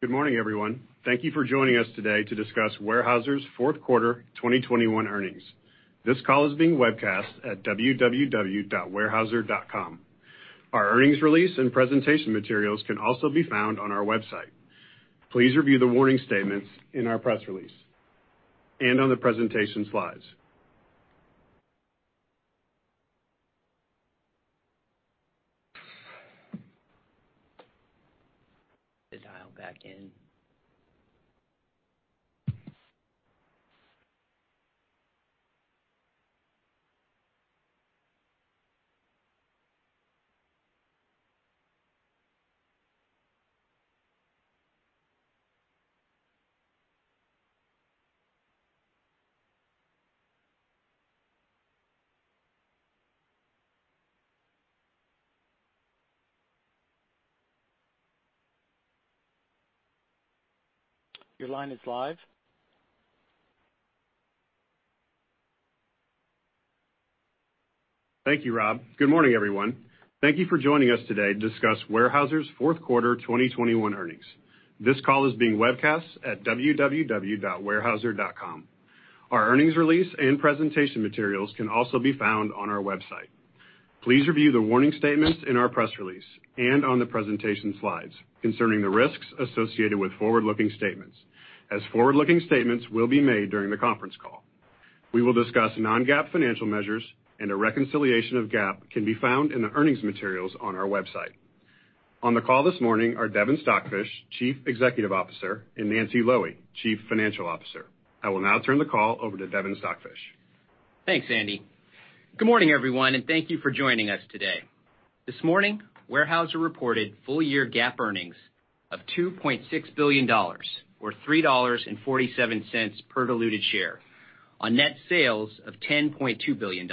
Good morning, everyone. Thank you for joining us today to discuss Weyerhaeuser's Q4 2021 earnings. This call is being webcast at www.weyerhaeuser.com. Our earnings release and presentation materials can also be found on our website. Please review the warning statements in our press release and on the presentation slides. To dial back in. Your line is live. Thank you, Rob. Good morning, everyone. Thank you for joining us today to discuss Weyerhaeuser's Q4 2021 earnings. This call is being webcast at www.weyerhaeuser.com. Our earnings release and presentation materials can also be found on our website. Please review the warning statements in our press release and on the presentation slides concerning the risks associated with forward-looking statements, as forward-looking statements will be made during the conference call. We will discuss non-GAAP financial measures and a reconciliation of GAAP can be found in the earnings materials on our website. On the call this morning are Devin Stockfish, Chief Executive Officer, and Nancy Loewe, Chief Financial Officer. I will now turn the call over to Devin Stockfish. Thanks, Andy. Good morning, everyone, and thank you for joining us today. This morning, Weyerhaeuser reported full year GAAP earnings of $2.6 billion or $3.47 per diluted share on net sales of $10.2 billion.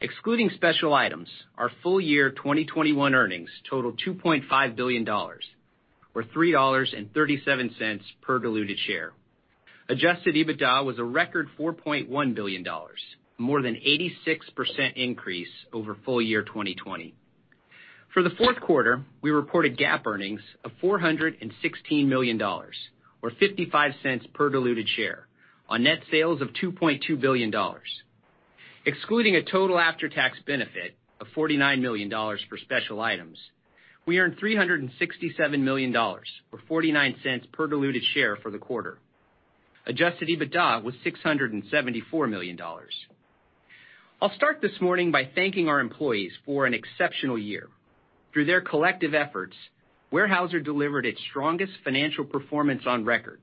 Excluding special items, our full year 2021 earnings totaled $2.5 billion or $3.37 per diluted share. Adjusted EBITDA was a record $4.1 billion, more than 86% increase over full year 2020. For the Q4, we reported GAAP earnings of $416 million or $0.55 per diluted share on net sales of $2.2 billion. Excluding a total after-tax benefit of $49 million for special items, we earned $367 million or $0.49 per diluted share for the quarter. Adjusted EBITDA was $674 million. I'll start this morning by thanking our employees for an exceptional year. Through their collective efforts, Weyerhaeuser delivered its strongest financial performance on record.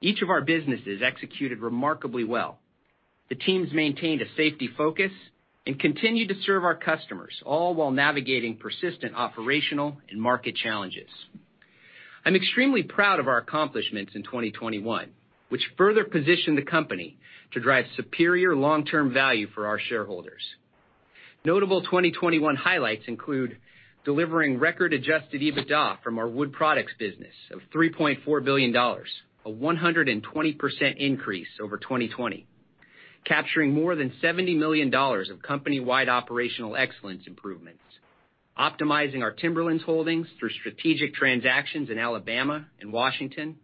Each of our businesses executed remarkably well. The teams maintained a safety focus and continued to serve our customers, all while navigating persistent operational and market challenges. I'm extremely proud of our accomplishments in 2021, which further positioned the company to drive superior long-term value for our shareholders. Notable 2021 highlights include delivering record adjusted EBITDA from our wood products business of $3.4 billion, a 120% increase over 2020. Capturing more than $70 million of company-wide operational excellence improvements. Optimizing our timberlands holdings through strategic transactions in Alabama and Washington.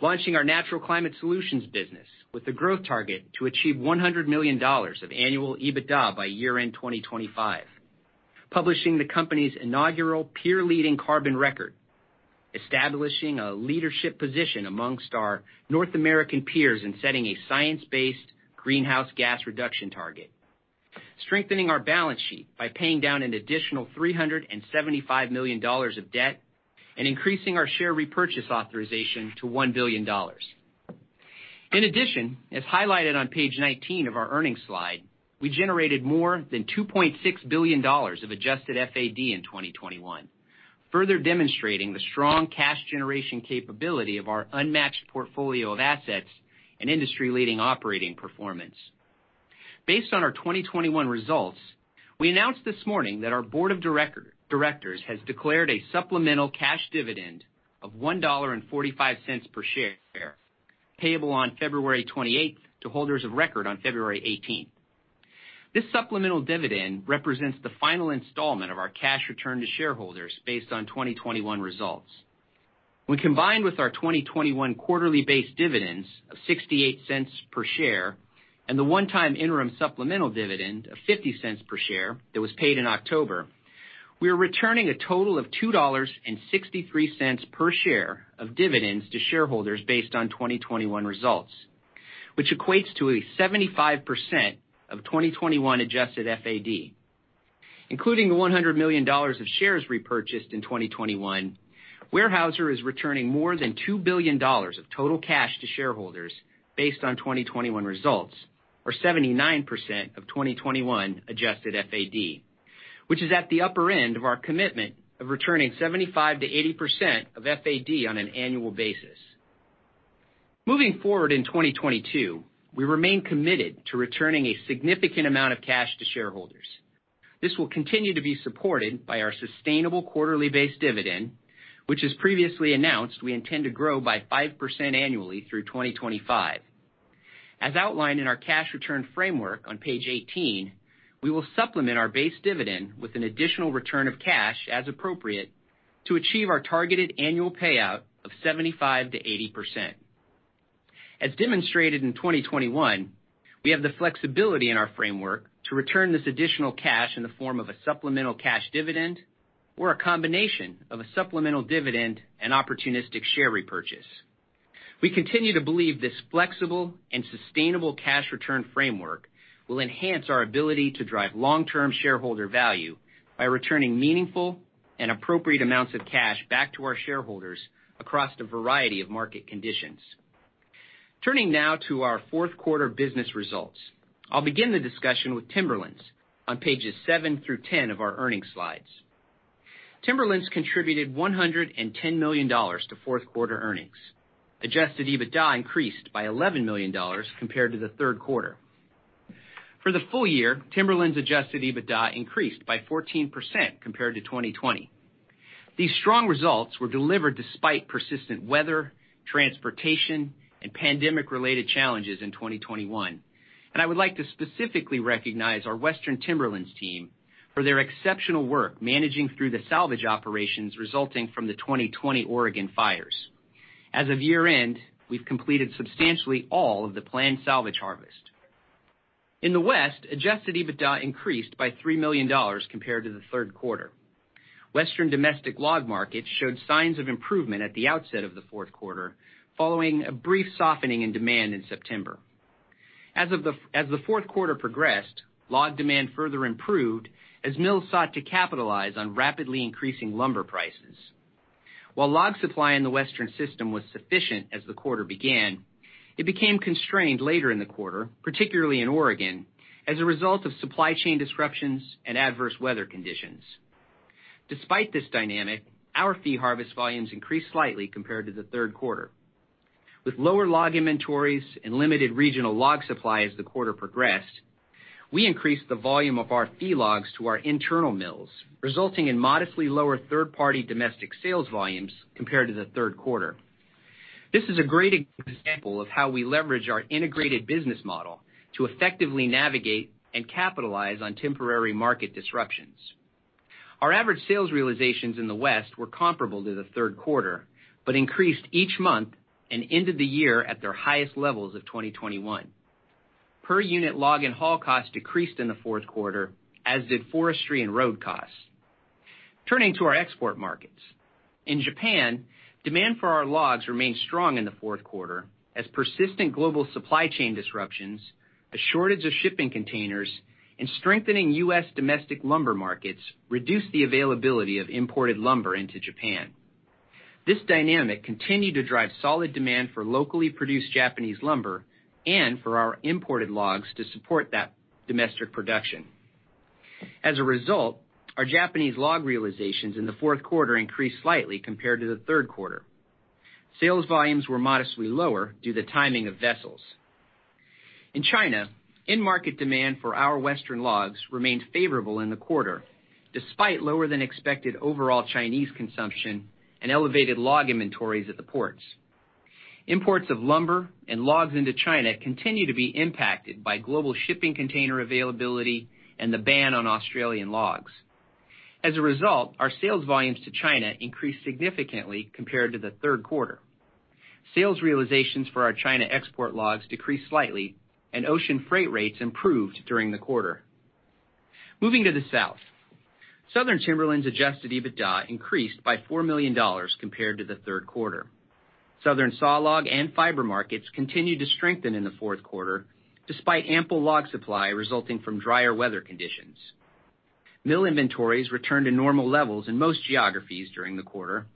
Launching our Natural Climate Solutions business with a growth target to achieve $100 million of annual EBITDA by year-end 2025. Publishing the company's inaugural peer-leading carbon record. Establishing a leadership position among our North American peers in setting a science-based greenhouse gas reduction target. Strengthening our balance sheet by paying down an additional $375 million of debt and increasing our share repurchase authorization to $1 billion. In addition, as highlighted on page 19 of our earnings slide, we generated more than $2.6 billion of Adjusted FAD in 2021, further demonstrating the strong cash generation capability of our unmatched portfolio of assets and industry-leading operating performance. Based on our 2021 results, we announced this morning that our board of directors has declared a supplemental cash dividend of $1.45 per share, payable on February 28th to holders of record on February 18th. This supplemental dividend represents the final installment of our cash return to shareholders based on 2021 results. When combined with our 2021 quarterly base dividends of $0.68 per share and the one-time interim supplemental dividend of $0.50 per share that was paid in October, we are returning a total of $2.63 per share of dividends to shareholders based on 2021 results, which equates to 75% of 2021 Adjusted FAD. Including the $100 million of shares repurchased in 2021, Weyerhaeuser is returning more than $2 billion of total cash to shareholders based on 2021 results or 79% of 2021 Adjusted FAD, which is at the upper end of our commitment of returning 75%-80% of FAD on an annual basis. Moving forward in 2022, we remain committed to returning a significant amount of cash to shareholders. This will continue to be supported by our sustainable quarterly base dividend, which as previously announced, we intend to grow by 5% annually through 2025. As outlined in our cash return framework on page 18, we will supplement our base dividend with an additional return of cash as appropriate to achieve our targeted annual payout of 75%-80%. As demonstrated in 2021, we have the flexibility in our framework to return this additional cash in the form of a supplemental cash dividend or a combination of a supplemental dividend and opportunistic share repurchase. We continue to believe this flexible and sustainable cash return framework will enhance our ability to drive long-term shareholder value by returning meaningful and appropriate amounts of cash back to our shareholders across the variety of market conditions. Turning now to our Q4 business results. I'll begin the discussion with Timberlands on pages seven through 10 of our earnings slides. Timberlands contributed $110 million to Q4 earnings. Adjusted EBITDA increased by $11 million compared to the Q3. For the full year, Timberlands adjusted EBITDA increased by 14% compared to 2020. These strong results were delivered despite persistent weather, transportation, and pandemic-related challenges in 2021, and I would like to specifically recognize our Western Timberlands team for their exceptional work managing through the salvage operations resulting from the 2020 Oregon fires. As of year-end, we've completed substantially all of the planned salvage harvest. In the West, adjusted EBITDA increased by $3 million compared to the Q3. Western domestic log markets showed signs of improvement at the outset of the Q4, following a brief softening in demand in September. As the Q4 progressed, log demand further improved as mills sought to capitalize on rapidly increasing lumber prices. While log supply in the Western system was sufficient as the quarter began, it became constrained later in the quarter, particularly in Oregon, as a result of supply chain disruptions and adverse weather conditions. Despite this dynamic, our fee harvest volumes increased slightly compared to the Q3. With lower log inventories and limited regional log supply as the quarter progressed, we increased the volume of our fee logs to our internal mills, resulting in modestly lower third-party domestic sales volumes compared to the Q3. This is a great example of how we leverage our integrated business model to effectively navigate and capitalize on temporary market disruptions. Our average sales realizations in the West were comparable to the Q3, but increased each month and ended the year at their highest levels of 2021. Per unit log and haul costs decreased in the Q4, as did forestry and road costs. Turning to our export markets. In Japan, demand for our logs remained strong in the Q4 as persistent global supply chain disruptions, a shortage of shipping containers, and strengthening U.S. domestic lumber markets reduced the availability of imported lumber into Japan. This dynamic continued to drive solid demand for locally produced Japanese lumber and for our imported logs to support that domestic production. As a result, our Japanese log realizations in the Q4 increased slightly compared to the Q3. Sales volumes were modestly lower due to the timing of vessels. In China, in-market demand for our Western logs remained favorable in the quarter, despite lower than expected overall Chinese consumption and elevated log inventories at the ports. Imports of lumber and logs into China continue to be impacted by global shipping container availability and the ban on Australian logs. As a result, our sales volumes to China increased significantly compared to the Q3. Sales realizations for our China export logs decreased slightly, and ocean freight rates improved during the quarter. Moving to the South. Southern Timberlands adjusted EBITDA increased by $4 million compared to the Q3. Southern saw log and fiber markets continued to strengthen in the Q4, despite ample log supply resulting from drier weather conditions. Mill inventories returned to normal levels in most geographies during the quarter,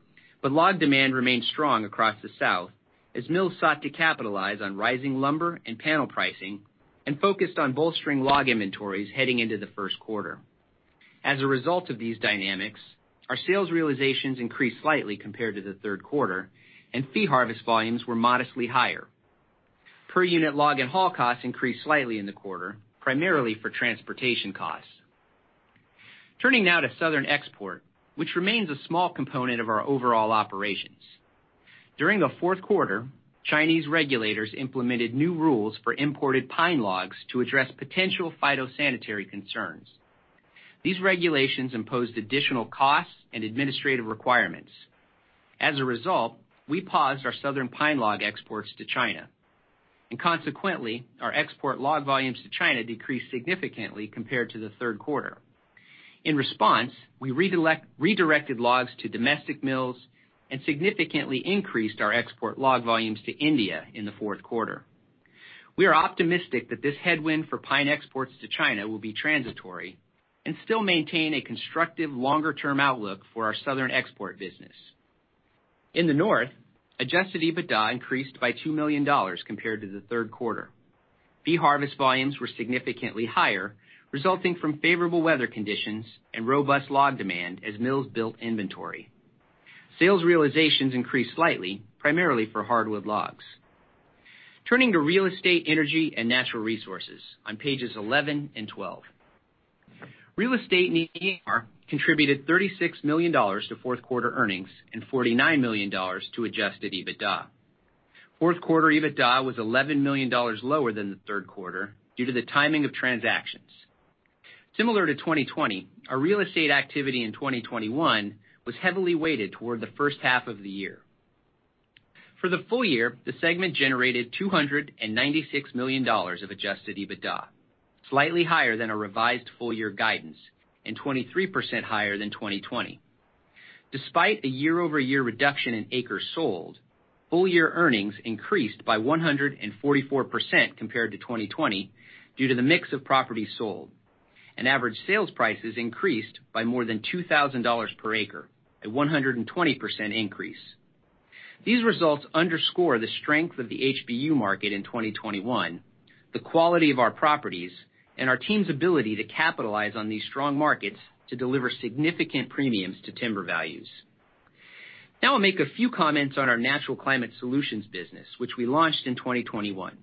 but log demand remained strong across the South as mills sought to capitalize on rising lumber and panel pricing and focused on bolstering log inventories heading into the Q1. As a result of these dynamics, our sales realizations increased slightly compared to the Q3, and fee harvest volumes were modestly higher. Per unit log and haul costs increased slightly in the quarter, primarily for transportation costs. Turning now to Southern Export, which remains a small component of our overall operations. During the Q4, Chinese regulators implemented new rules for imported pine logs to address potential phytosanitary concerns. These regulations imposed additional costs and administrative requirements. As a result, we paused our Southern pine log exports to China, and consequently, our export log volumes to China decreased significantly compared to the Q3. In response, we redirected logs to domestic mills and significantly increased our export log volumes to India in the Q4. We are optimistic that this headwind for pine exports to China will be transitory and still maintain a constructive longer-term outlook for our Southern export business. In the North, adjusted EBITDA increased by $2 million compared to the Q3. Fee harvest volumes were significantly higher, resulting from favorable weather conditions and robust log demand as mills built inventory. Sales realizations increased slightly, primarily for hardwood logs. Turning to Real Estate, Energy, and Natural Resources on pages 11 and 12. Real Estate and ENR contributed $36 million to Q4 earnings and $49 million to adjusted EBITDA. Q4 EBITDA was $11 million lower than the Q3 due to the timing of transactions. Similar to 2020, our real estate activity in 2021 was heavily weighted toward the first half of the year. For the full year, the segment generated $296 million of adjusted EBITDA, slightly higher than our revised full-year guidance and 23% higher than 2020. Despite a year-over-year reduction in acres sold, full year earnings increased by 144% compared to 2020 due to the mix of properties sold. Average sales prices increased by more than $2,000 per acre, a 120% increase. These results underscore the strength of the HBU market in 2021, the quality of our properties, and our team's ability to capitalize on these strong markets to deliver significant premiums to timber values. Now we'll make a few comments on our natural climate solutions business, which we launched in 2021.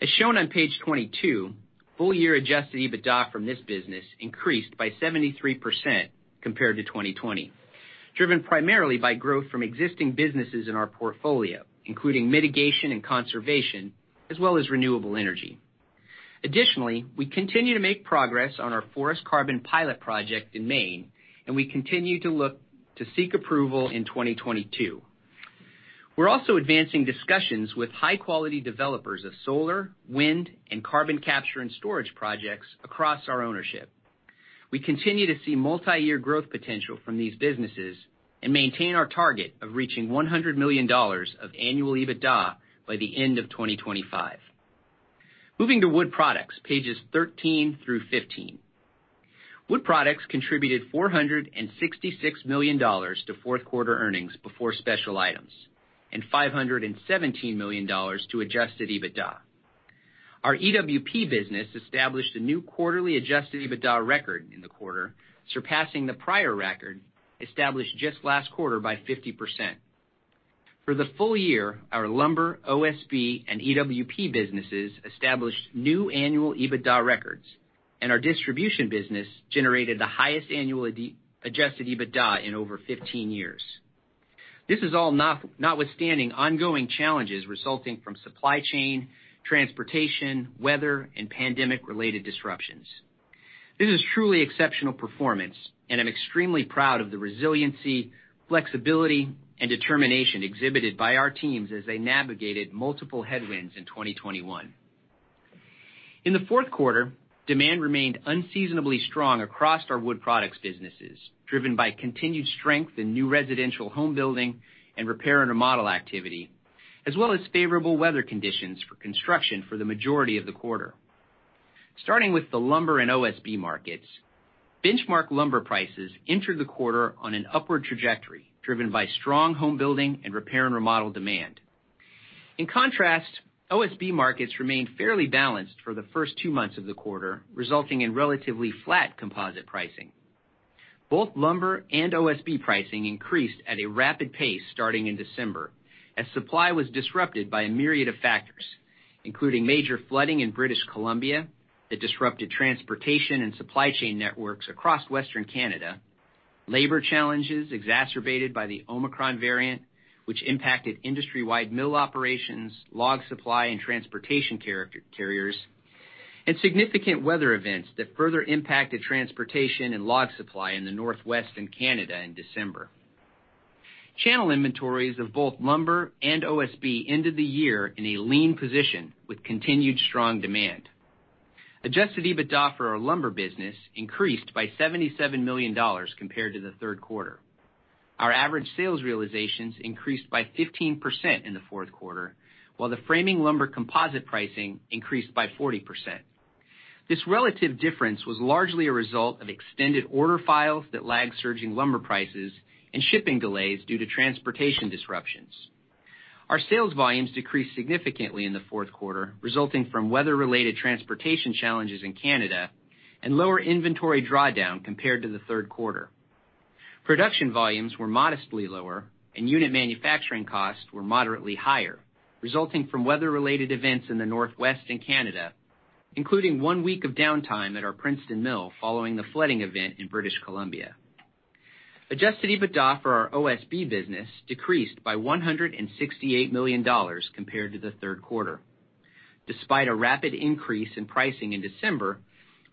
As shown on page 22, full year adjusted EBITDA from this business increased by 73% compared to 2020, driven primarily by growth from existing businesses in our portfolio, including mitigation and conservation, as well as renewable energy. Additionally, we continue to make progress on our forest carbon pilot project in Maine, and we continue to look to seek approval in 2022. We're also advancing discussions with high-quality developers of solar, wind, and carbon capture and sequestration projects across our ownership. We continue to see multiyear growth potential from these businesses and maintain our target of reaching $100 million of annual EBITDA by the end of 2025. Moving to Wood Products, pages 13 through 15. Wood Products contributed $466 million to Q4 earnings before special items and $517 million to adjusted EBITDA. Our EWP business established a new quarterly adjusted EBITDA record in the quarter, surpassing the prior record established just last quarter by 50%. For the full year, our lumber, OSB, and EWP businesses established new annual EBITDA records, and our distribution business generated the highest annual adjusted EBITDA in over 15 years. This is all notwithstanding ongoing challenges resulting from supply chain, transportation, weather, and pandemic-related disruptions. This is truly exceptional performance, and I'm extremely proud of the resiliency, flexibility, and determination exhibited by our teams as they navigated multiple headwinds in 2021. In the Q4, demand remained unseasonably strong across our Wood Products businesses, driven by continued strength in new residential home building and repair and remodel activity, as well as favorable weather conditions for construction for the majority of the quarter. Starting with the lumber and OSB markets, benchmark lumber prices entered the quarter on an upward trajectory, driven by strong home building and repair and remodel demand. In contrast, OSB markets remained fairly balanced for the first two months of the quarter, resulting in relatively flat composite pricing. Both lumber and OSB pricing increased at a rapid pace starting in December as supply was disrupted by a myriad of factors, including major flooding in British Columbia that disrupted transportation and supply chain networks across western Canada, labor challenges exacerbated by the Omicron variant, which impacted industry-wide mill operations, log supply, and transportation charter carriers, and significant weather events that further impacted transportation and log supply in the Northwest and Canada in December. Channel inventories of both lumber and OSB ended the year in a lean position with continued strong demand. Adjusted EBITDA for our lumber business increased by $77 million compared to the Q3. Our average sales realizations increased by 15% in the Q4, while the framing lumber composite pricing increased by 40%. This relative difference was largely a result of extended order files that lagged surging lumber prices and shipping delays due to transportation disruptions. Our sales volumes decreased significantly in the Q4, resulting from weather-related transportation challenges in Canada and lower inventory drawdown compared to the Q3. Production volumes were modestly lower and unit manufacturing costs were moderately higher, resulting from weather-related events in the Northwest and Canada, including one week of downtime at our Princeton mill following the flooding event in British Columbia. Adjusted EBITDA for our OSB business decreased by $168 million compared to the Q3. Despite a rapid increase in pricing in December,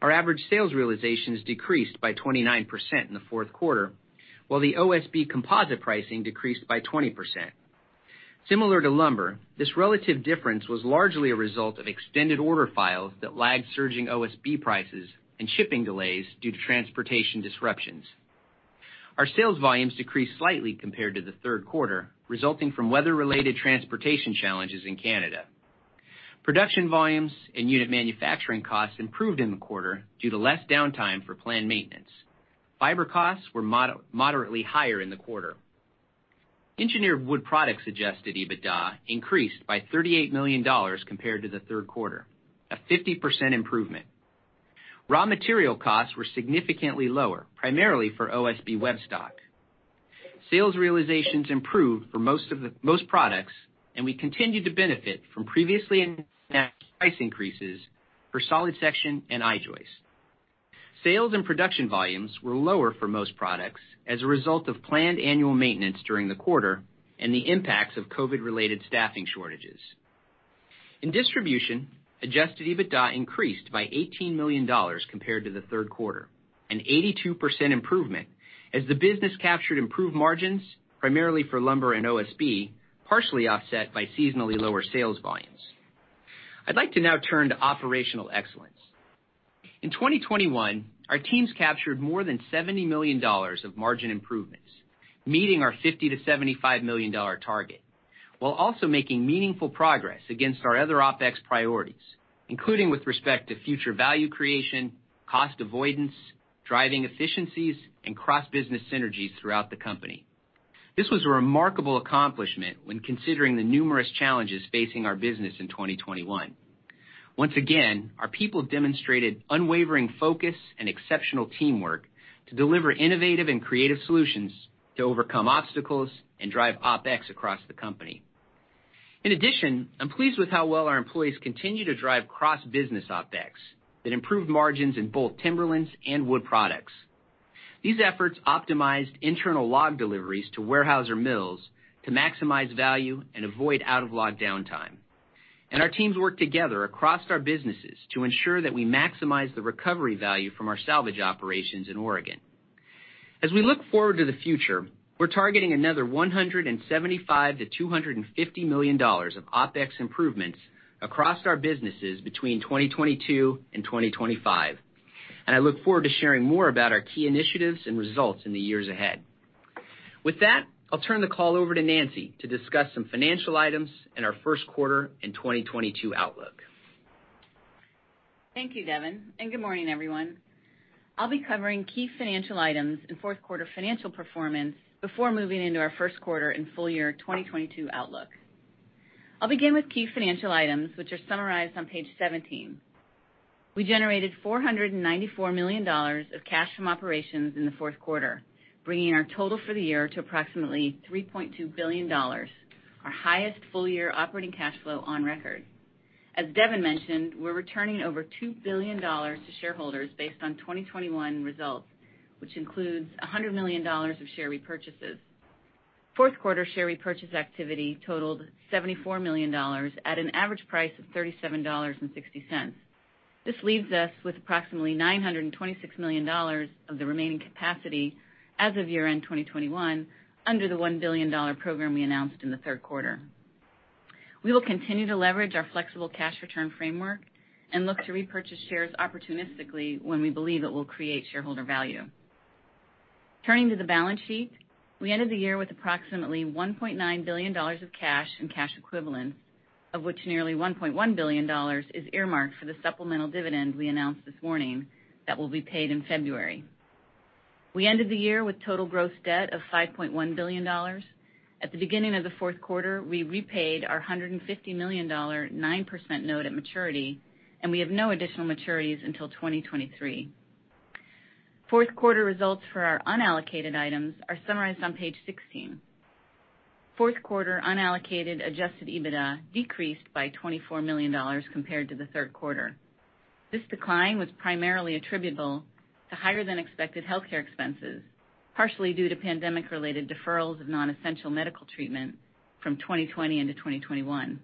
our average sales realizations decreased by 29% in the Q4, while the OSB composite pricing decreased by 20%. Similar to lumber, this relative difference was largely a result of extended order files that lagged surging OSB prices and shipping delays due to transportation disruptions. Our sales volumes decreased slightly compared to the Q3, resulting from weather-related transportation challenges in Canada. Production volumes and unit manufacturing costs improved in the quarter due to less downtime for planned maintenance. Fiber costs were moderately higher in the quarter. Engineered Wood Products' adjusted EBITDA increased by $38 million compared to the Q3, a 50% improvement. Raw material costs were significantly lower, primarily for OSB web stock. Sales realizations improved for most products, and we continued to benefit from previously announced price increases for solid section and I-joist. Sales and production volumes were lower for most products as a result of planned annual maintenance during the quarter and the impacts of COVID-related staffing shortages. In distribution, adjusted EBITDA increased by $18 million compared to the Q3, an 82% improvement as the business captured improved margins, primarily for lumber and OSB, partially offset by seasonally lower sales volumes. I'd like to now turn to operational excellence. In 2021, our teams captured more than $70 million of margin improvements, meeting our $50 million-$75 million target, while also making meaningful progress against our other OpEx priorities, including with respect to future value creation, cost avoidance, driving efficiencies, and cross-business synergies throughout the company. This was a remarkable accomplishment when considering the numerous challenges facing our business in 2021. Once again, our people demonstrated unwavering focus and exceptional teamwork to deliver innovative and creative solutions to overcome obstacles and drive OpEx across the company. In addition, I'm pleased with how well our employees continue to drive cross-business OpEx that improved margins in both timberlands and wood products. These efforts optimized internal log deliveries to Weyerhaeuser mills to maximize value and avoid out-of-log downtime. Our teams worked together across our businesses to ensure that we maximize the recovery value from our salvage operations in Oregon. As we look forward to the future, we're targeting another $175 million-$250 million of OpEx improvements across our businesses between 2022 and 2025, and I look forward to sharing more about our key initiatives and results in the years ahead. With that, I'll turn the call over to Nancy to discuss some financial items in our Q1 and 2022 outlook. Thank you, Devin, and good morning, everyone. I'll be covering key financial items and Q4 financial performance before moving into our Q1 and full year 2022 outlook. I'll begin with key financial items, which are summarized on page 17. We generated $494 million of cash from operations in the Q4, bringing our total for the year to approximately $3.2 billion, our highest full-year operating cash flow on record. As Devin mentioned, we're returning over $2 billion to shareholders based on 2021 results, which includes $100 million of share repurchases. Q4 share repurchase activity totaled $74 million at an average price of $37.60. This leaves us with approximately $926 million of the remaining capacity as of year-end 2021 under the $1 billion program we announced in the Q3. We will continue to leverage our flexible cash return framework and look to repurchase shares opportunistically when we believe it will create shareholder value. Turning to the balance sheet, we ended the year with approximately $1.9 billion of cash and cash equivalents, of which nearly $1.1 billion is earmarked for the supplemental dividend we announced this morning that will be paid in February. We ended the year with total gross debt of $5.1 billion. At the beginning of the Q4, we repaid our $150 million 9% note at maturity, and we have no additional maturities until 2023. Q4 results for our unallocated items are summarized on page 16. Q4 unallocated adjusted EBITDA decreased by $24 million compared to the Q3. This decline was primarily attributable to higher than expected healthcare expenses, partially due to pandemic-related deferrals of non-essential medical treatment from 2020 into 2021.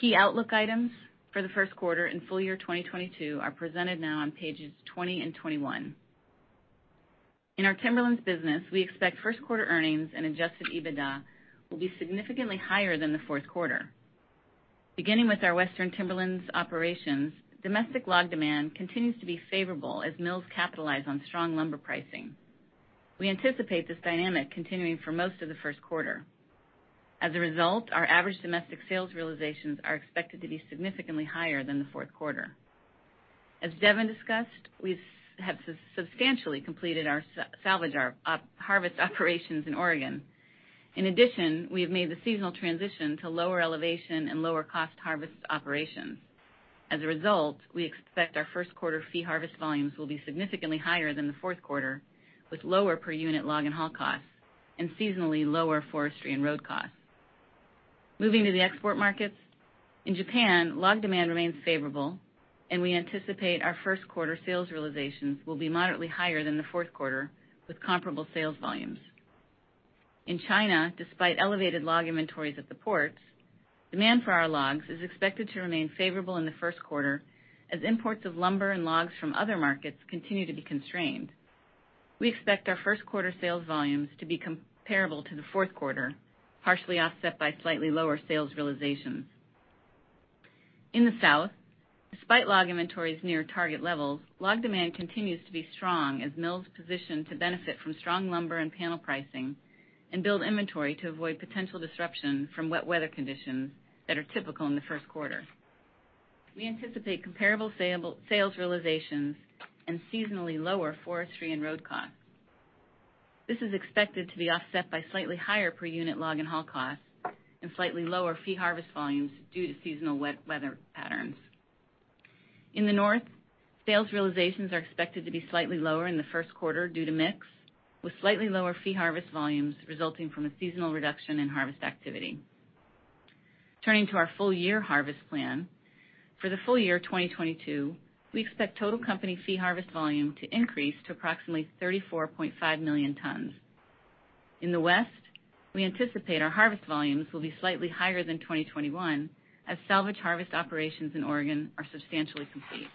Key outlook items for the Q1 and full year 2022 are presented now on pages 20 and 21. In our timberlands business, we expect Q1 earnings and adjusted EBITDA will be significantly higher than the Q4. Beginning with our Western Timberlands operations, domestic log demand continues to be favorable as mills capitalize on strong lumber pricing. We anticipate this dynamic continuing for most of the Q1. As a result, our average domestic sales realizations are expected to be significantly higher than the Q4. As Devin discussed, we have substantially completed our salvage harvest operations in Oregon. In addition, we have made the seasonal transition to lower elevation and lower cost harvest operations. As a result, we expect our Q1 fee harvest volumes will be significantly higher than the Q4, with lower per unit log and haul costs and seasonally lower forestry and road costs. Moving to the export markets, in Japan, log demand remains favorable and we anticipate our Q1 sales realizations will be moderately higher than the Q4 with comparable sales volumes. In China, despite elevated log inventories at the ports, demand for our logs is expected to remain favorable in the Q1 as imports of lumber and logs from other markets continue to be constrained. We expect our Q1 sales volumes to be comparable to the Q4, partially offset by slightly lower sales realizations. In the South, despite log inventories near target levels, log demand continues to be strong as mills position to benefit from strong lumber and panel pricing and build inventory to avoid potential disruption from wet weather conditions that are typical in the Q1. We anticipate comparable sales realizations and seasonally lower forestry and road costs. This is expected to be offset by slightly higher per unit log and haul costs and slightly lower fee harvest volumes due to seasonal wet weather patterns. In the north, sales realizations are expected to be slightly lower in the Q1 due to mix, with slightly lower fee harvest volumes resulting from a seasonal reduction in harvest activity. Turning to our full year harvest plan. For the full year 2022, we expect total company fee harvest volume to increase to approximately 34.5 million tons. In the west, we anticipate our harvest volumes will be slightly higher than 2021 as salvage harvest operations in Oregon are substantially complete.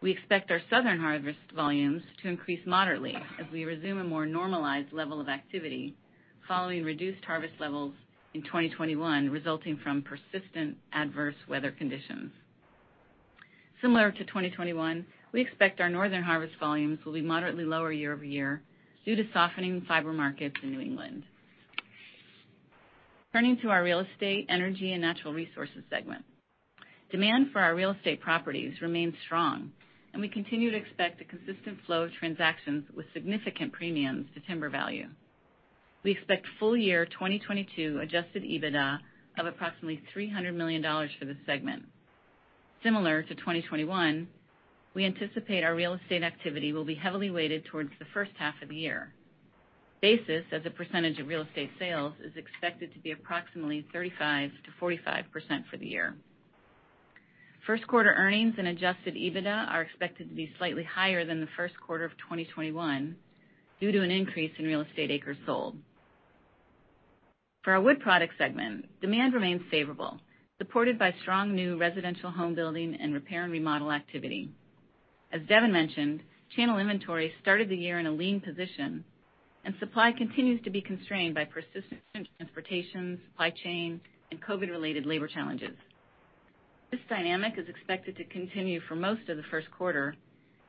We expect our southern harvest volumes to increase moderately as we resume a more normalized level of activity following reduced harvest levels in 2021 resulting from persistent adverse weather conditions. Similar to 2021, we expect our northern harvest volumes will be moderately lower year-over-year due to softening fiber markets in New England. Turning to our Real Estate, Energy, and Natural Resources segment. Demand for our real estate properties remains strong, and we continue to expect a consistent flow of transactions with significant premiums to timber value. We expect full year 2022 adjusted EBITDA of approximately $300 million for this segment. Similar to 2021, we anticipate our real estate activity will be heavily weighted towards the first half of the year. Basis as a percentage of real estate sales is expected to be approximately 35%-45% for the year. Q1 earnings and adjusted EBITDA are expected to be slightly higher than the Q1 of 2021 due to an increase in real estate acres sold. For our wood product segment, demand remains favorable, supported by strong new residential home building and repair and remodel activity. As Devin mentioned, channel inventory started the year in a lean position, and supply continues to be constrained by persistent transportation, supply chain, and COVID-related labor challenges. This dynamic is expected to continue for most of the Q1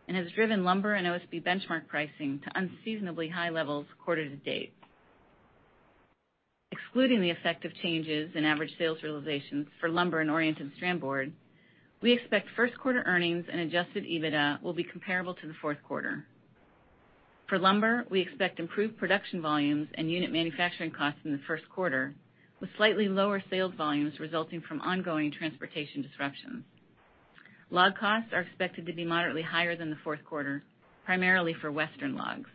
and has driven lumber and OSB benchmark pricing to unseasonably high levels quarter to date. Excluding the effect of changes in average sales realizations for lumber and oriented strand board, we expect Q1 earnings and adjusted EBITDA will be comparable to the Q4. For lumber, we expect improved production volumes and unit manufacturing costs in the Q1, with slightly lower sales volumes resulting from ongoing transportation disruptions. Log costs are expected to be moderately higher than the Q4, primarily for Western logs.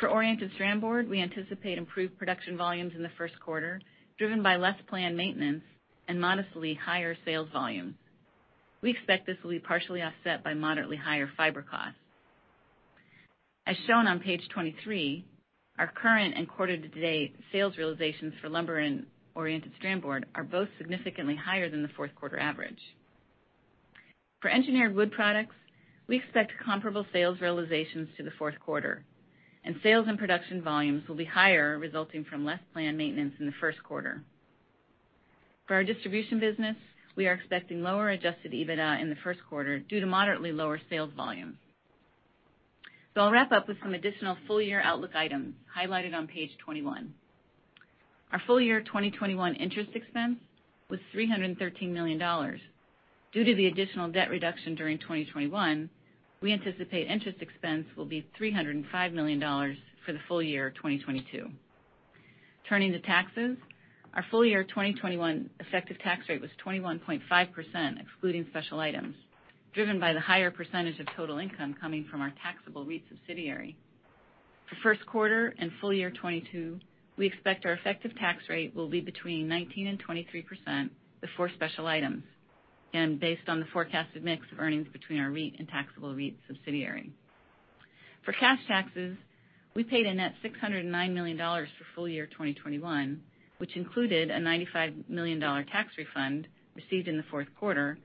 For oriented strand board, we anticipate improved production volumes in the Q1, driven by less planned maintenance and modestly higher sales volumes. We expect this will be partially offset by moderately higher fiber costs. As shown on page 23, our current and quarter-to-date sales realizations for lumber and oriented strand board are both significantly higher than the Q4 average. For engineered wood products, we expect comparable sales realizations to the Q4, and sales and production volumes will be higher, resulting from less planned maintenance in the Q1. For our distribution business, we are expecting lower adjusted EBITDA in the Q1 due to moderately lower sales volume. I'll wrap up with some additional full-year outlook items highlighted on page 21. Our full year 2021 interest expense was $313 million. Due to the additional debt reduction during 2021, we anticipate interest expense will be $305 million for the full year 2022. Turning to taxes, our full year 2021 effective tax rate was 21.5%, excluding special items, driven by the higher percentage of total income coming from our taxable REIT subsidiary. For Q1 and full year 2022, we expect our effective tax rate will be between 19% and 23% before special items, and based on the forecasted mix of earnings between our REIT and taxable REIT subsidiary. For cash taxes, we paid a net $609 million for full year 2021, which included a $95 million tax refund received in the Q4,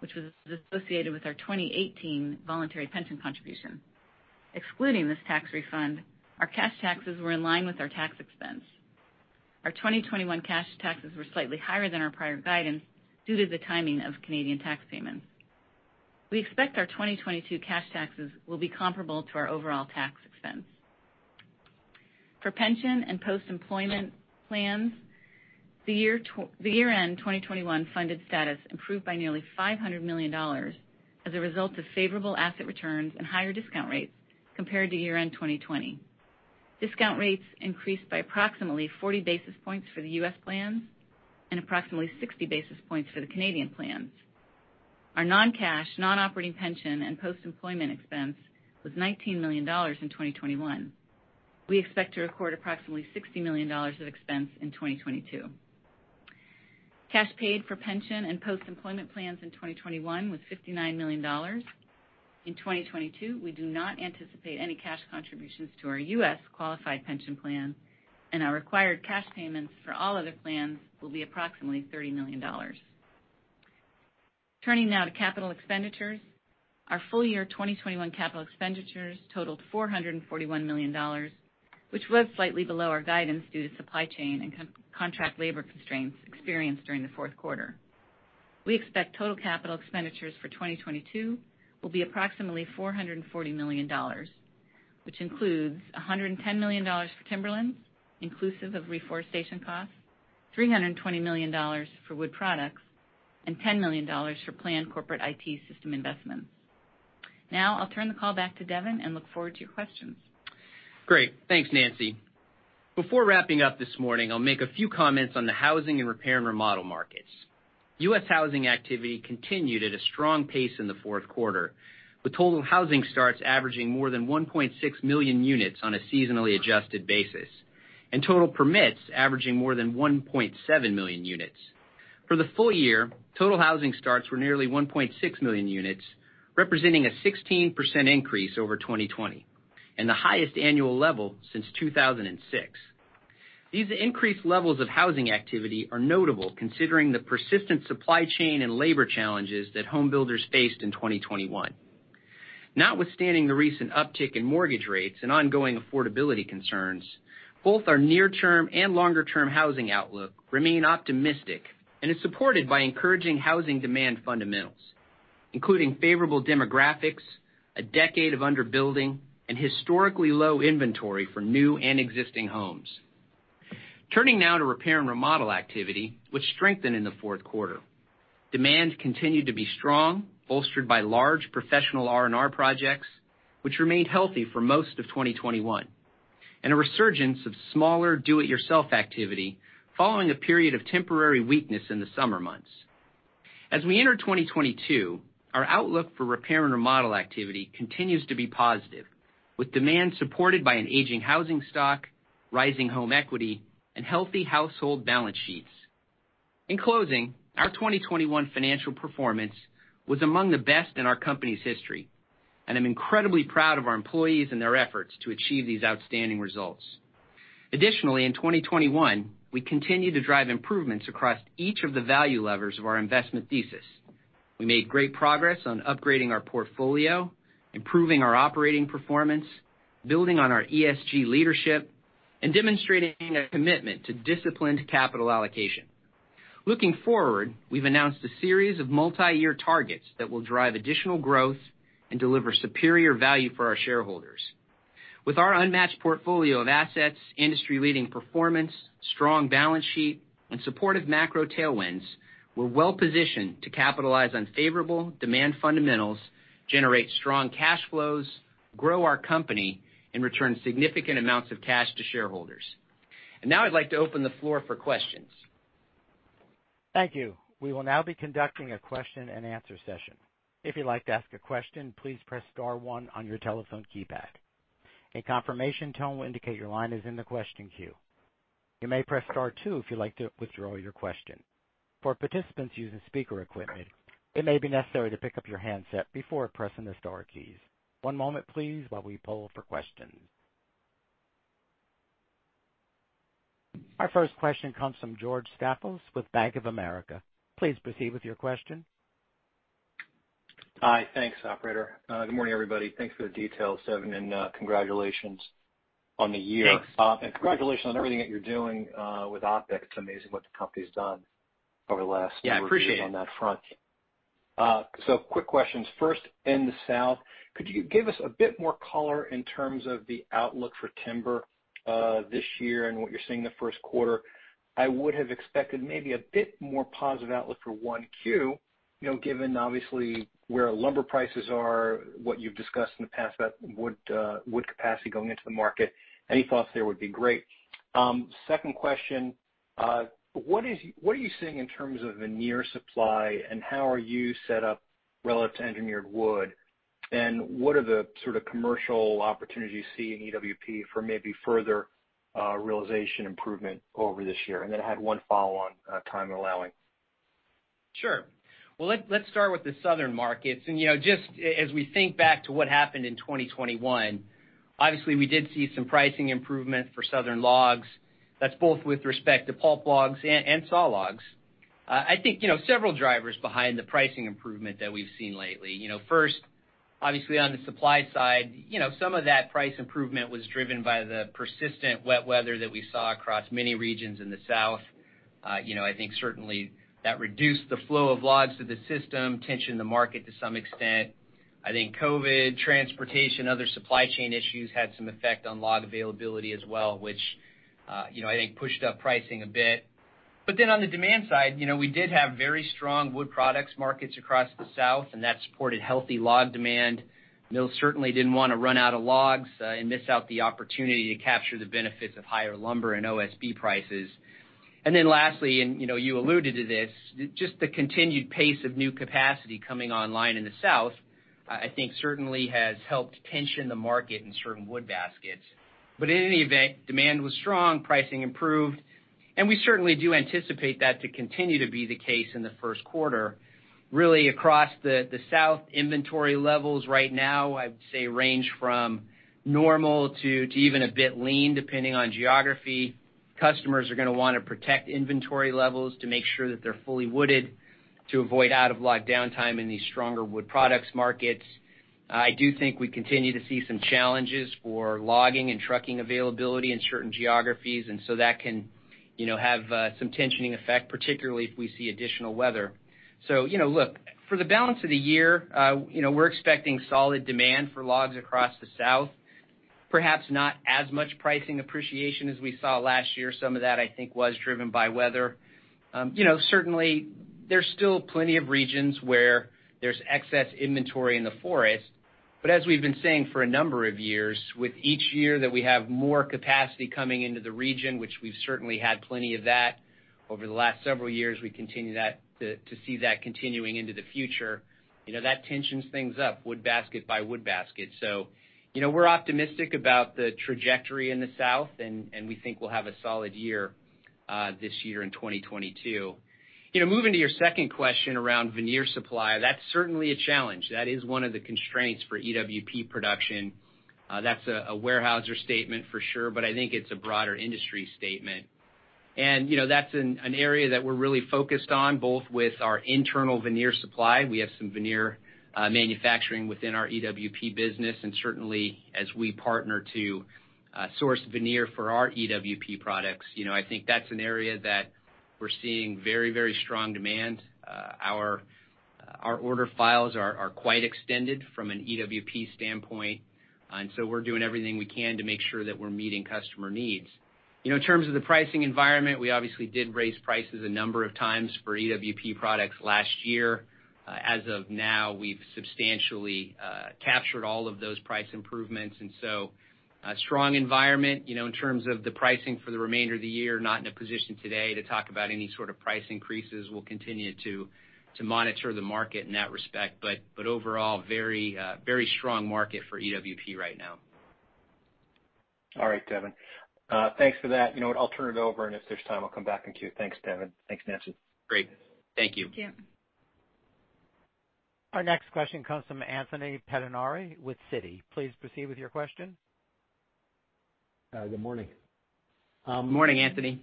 which was associated with our 2018 voluntary pension contribution. Excluding this tax refund, our cash taxes were in line with our tax expense. Our 2021 cash taxes were slightly higher than our prior guidance due to the timing of Canadian tax payments. We expect our 2022 cash taxes will be comparable to our overall tax expense. For pension and post-employment plans, the year-end 2021 funded status improved by nearly $500 million as a result of favorable asset returns and higher discount rates compared to year-end 2020. Discount rates increased by approximately 40 basis points for the U.S. plans and approximately 60 basis points for the Canadian plans. Our non-cash, non-operating pension and post-employment expense was $19 million in 2021. We expect to record approximately $60 million of expense in 2022. Cash paid for pension and post-employment plans in 2021 was $59 million. In 2022, we do not anticipate any cash contributions to our U.S. qualified pension plan, and our required cash payments for all other plans will be approximately $30 million. Turning now to capital expenditures. Our full year 2021 capital expenditures totaled $441 million, which was slightly below our guidance due to supply chain and contract labor constraints experienced during the Q4. We expect total capital expenditures for 2022 will be approximately $440 million, which includes $110 million for timberlands, inclusive of reforestation costs, $320 million for wood products, and $10 million for planned corporate IT system investments. Now I'll turn the call back to Devin and look forward to your questions. Great. Thanks, Nancy. Before wrapping up this morning, I'll make a few comments on the housing and repair and remodel markets. U.S. housing activity continued at a strong pace in the Q4, with total housing starts averaging more than 1.6 million units on a seasonally adjusted basis, and total permits averaging more than 1.7 million units. For the full year, total housing starts were nearly 1.6 million units, representing a 16% increase over 2020, and the highest annual level since 2006. These increased levels of housing activity are notable considering the persistent supply chain and labor challenges that home builders faced in 2021. Notwithstanding the recent uptick in mortgage rates and ongoing affordability concerns, both our near-term and longer-term housing outlook remain optimistic and is supported by encouraging housing demand fundamentals, including favorable demographics, a decade of under-building, and historically low inventory for new and existing homes. Turning now to repair and remodel activity, which strengthened in the Q4. Demand continued to be strong, bolstered by large professional R&R projects, which remained healthy for most of 2021, and a resurgence of smaller do-it-yourself activity following a period of temporary weakness in the summer months. As we enter 2022, our outlook for repair and remodel activity continues to be positive, with demand supported by an aging housing stock, rising home equity, and healthy household balance sheets. In closing, our 2021 financial performance was among the best in our company's history, and I'm incredibly proud of our employees and their efforts to achieve these outstanding results. Additionally, in 2021, we continued to drive improvements across each of the value levers of our investment thesis. We made great progress on upgrading our portfolio, improving our operating performance, building on our ESG leadership, and demonstrating a commitment to disciplined capital allocation. Looking forward, we've announced a series of multi-year targets that will drive additional growth and deliver superior value for our shareholders. With our unmatched portfolio of assets, industry-leading performance, strong balance sheet, and supportive macro tailwinds, we're well-positioned to capitalize on favorable demand fundamentals, generate strong cash flows, grow our company, and return significant amounts of cash to shareholders. Now I'd like to open the floor for questions. Thank you. We will now be conducting a question-and-answer session. If you'd like to ask a question, please press star one on your telephone keypad. A confirmation tone will indicate your line is in the question queue. You may press star two if you'd like to withdraw your question. For participants using speaker equipment, it may be necessary to pick up your handset before pressing the star keys. One moment, please, while we poll for questions. Our first question comes from George Staphos with Bank of America. Please proceed with your question. Hi. Thanks, operator. Good morning, everybody. Thanks for the details, Devin, and congratulations on the year. Thanks. Congratulations on everything that you're doing with OpEx. It's amazing what the company's done over the last- Yeah, appreciate it. Couple of years on that front. Quick questions. First, in the South, could you give us a bit more color in terms of the outlook for timber this year and what you're seeing in the Q1? I would have expected maybe a bit more positive outlook for 1Q, you know, given obviously where lumber prices are, what you've discussed in the past about wood capacity going into the market. Any thoughts there would be great. Second question, what are you seeing in terms of veneer supply, and how are you set up relative to engineered wood? What are the sort of commercial opportunities you see in EWP for maybe further realization improvement over this year? I had one follow-on, time allowing. Sure. Well, let's start with the Southern markets. You know, just as we think back to what happened in 2021, obviously, we did see some pricing improvement for Southern logs. That's both with respect to pulp logs and saw logs. I think, you know, several drivers behind the pricing improvement that we've seen lately. You know, first, obviously on the supply side, you know, some of that price improvement was driven by the persistent wet weather that we saw across many regions in the South. You know, I think certainly that reduced the flow of logs to the system, tightened the market to some extent. I think COVID, transportation, other supply chain issues had some effect on log availability as well, which, you know, I think pushed up pricing a bit. On the demand side, you know, we did have very strong wood products markets across the South, and that supported healthy log demand. Mills certainly didn't wanna run out of logs, and miss out on the opportunity to capture the benefits of higher lumber and OSB prices. Lastly, and, you know, you alluded to this, just the continued pace of new capacity coming online in the South, I think certainly has helped tighten the market in certain wood baskets. In any event, demand was strong, pricing improved, and we certainly do anticipate that to continue to be the case in the Q1. Really across the South inventory levels right now, I'd say range from normal to even a bit lean, depending on geography. Customers are gonna wanna protect inventory levels to make sure that they're fully wooded to avoid out-of-log downtime in these stronger wood products markets. I do think we continue to see some challenges for logging and trucking availability in certain geographies, and so that can, you know, have some tensioning effect, particularly if we see additional weather. You know, look, for the balance of the year, you know, we're expecting solid demand for logs across the South. Perhaps not as much pricing appreciation as we saw last year. Some of that, I think, was driven by weather. You know, certainly there's still plenty of regions where there's excess inventory in the forest, but as we've been saying for a number of years, with each year that we have more capacity coming into the region, which we've certainly had plenty of that over the last several years, we continue to see that continuing into the future. You know, that tightens things up wood basket by wood basket. You know, we're optimistic about the trajectory in the South, and we think we'll have a solid year, this year in 2022. You know, moving to your second question around veneer supply, that's certainly a challenge. That is one of the constraints for EWP production. That's a Weyerhaeuser statement for sure, but I think it's a broader industry statement. You know, that's an area that we're really focused on both with our internal veneer supply. We have some veneer manufacturing within our EWP business, and certainly as we partner to source veneer for our EWP products. You know, I think that's an area that we're seeing very, very strong demand. Our order files are quite extended from an EWP standpoint, and so we're doing everything we can to make sure that we're meeting customer needs. You know, in terms of the pricing environment, we obviously did raise prices a number of times for EWP products last year. As of now, we've substantially captured all of those price improvements. Strong environment, you know, in terms of the pricing for the remainder of the year, not in a position today to talk about any sort of price increases. We'll continue to monitor the market in that respect. Overall, very strong market for EWP right now. All right, Devin. Thanks for that. You know what? I'll turn it over, and if there's time, I'll come back and queue. Thanks, Devin. Thanks, Nancy. Great. Thank you. Thank you. Our next question comes from Anthony Pettinari with Citi. Please proceed with your question. Good morning. Morning, Anthony.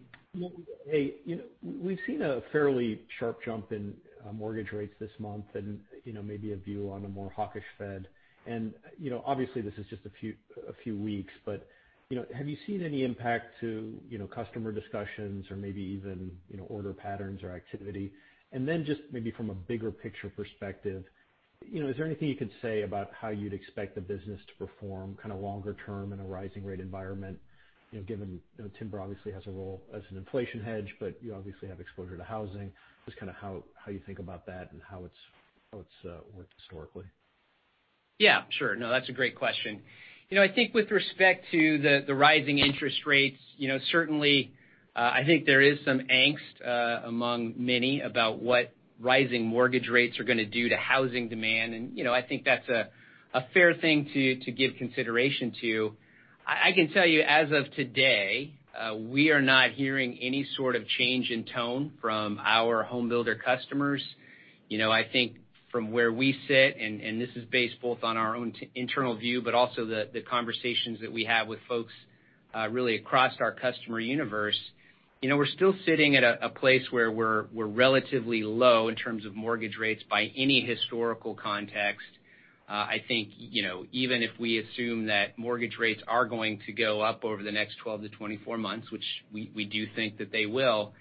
Hey, you know, we've seen a fairly sharp jump in mortgage rates this month and, you know, maybe a view on a more hawkish Fed. You know, obviously this is just a few weeks, but, you know, have you seen any impact to customer discussions or maybe even order patterns or activity? Then just maybe from a bigger picture perspective, you know, is there anything you could say about how you'd expect the business to perform kind of longer term in a rising rate environment, you know, given, you know, timber obviously has a role as an inflation hedge, but you obviously have exposure to housing. Just kind of how you think about that and how it's worked historically. Yeah, sure. No, that's a great question. You know, I think with respect to the rising interest rates, you know, certainly, I think there is some angst among many about what rising mortgage rates are gonna do to housing demand. You know, I think that's a fair thing to give consideration to. I can tell you as of today, we are not hearing any sort of change in tone from our home builder customers. You know, I think from where we sit, and this is based both on our own internal view, but also the conversations that we have with folks really across our customer universe, you know, we're still sitting at a place where we're relatively low in terms of mortgage rates by any historical context. I think, you know, even if we assume that mortgage rates are going to go up over the next 12-24 months, which we do think that they will,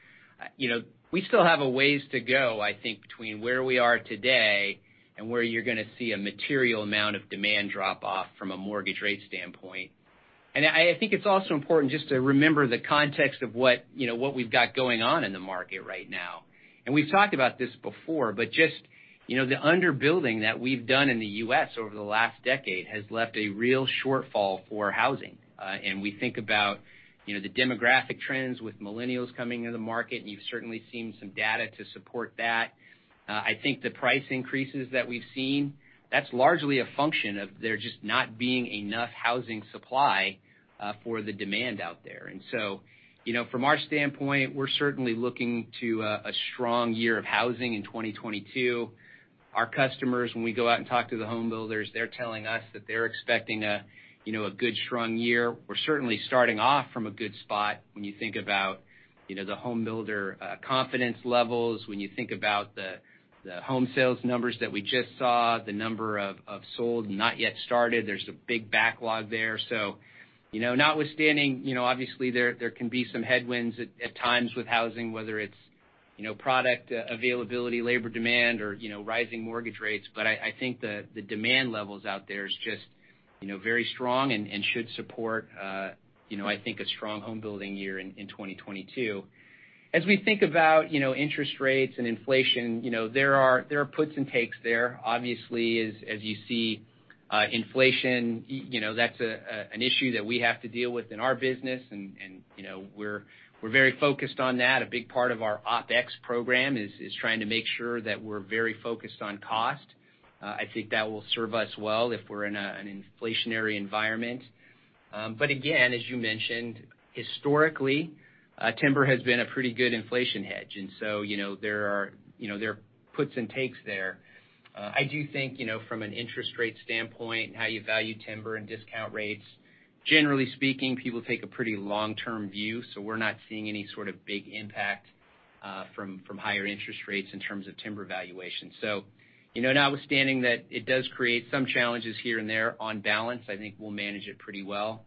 you know, we still have a ways to go, I think, between where we are today and where you're gonna see a material amount of demand drop off from a mortgage rate standpoint. I think it's also important just to remember the context of what, you know, what we've got going on in the market right now. We've talked about this before, but just, you know, the under-building that we've done in the U.S. over the last decade has left a real shortfall for housing. We think about, you know, the demographic trends with millennials coming into the market, and you've certainly seen some data to support that. I think the price increases that we've seen, that's largely a function of there just not being enough housing supply for the demand out there. You know, from our standpoint, we're certainly looking to a strong year of housing in 2022. Our customers, when we go out and talk to the home builders, they're telling us that they're expecting a, you know, a good, strong year. We're certainly starting off from a good spot when you think about, you know, the home builder confidence levels, when you think about the home sales numbers that we just saw, the number of sold and not yet started. There's a big backlog there. You know, notwithstanding, you know, obviously there can be some headwinds at times with housing, whether it's, you know, product availability, labor demand, or, you know, rising mortgage rates. I think the demand levels out there is just, you know, very strong and should support, you know, I think a strong home building year in 2022. As we think about, you know, interest rates and inflation, you know, there are puts and takes there. Obviously, as you see, inflation, you know, that's an issue that we have to deal with in our business, and, you know, we're very focused on that. A big part of our OpEx program is trying to make sure that we're very focused on cost. I think that will serve us well if we're in an inflationary environment. Again, as you mentioned, historically, timber has been a pretty good inflation hedge. You know, there are puts and takes there. I do think, you know, from an interest rate standpoint and how you value timber and discount rates, generally speaking, people take a pretty long-term view, so we're not seeing any sort of big impact from higher interest rates in terms of timber valuation. You know, notwithstanding that it does create some challenges here and there, on balance, I think we'll manage it pretty well.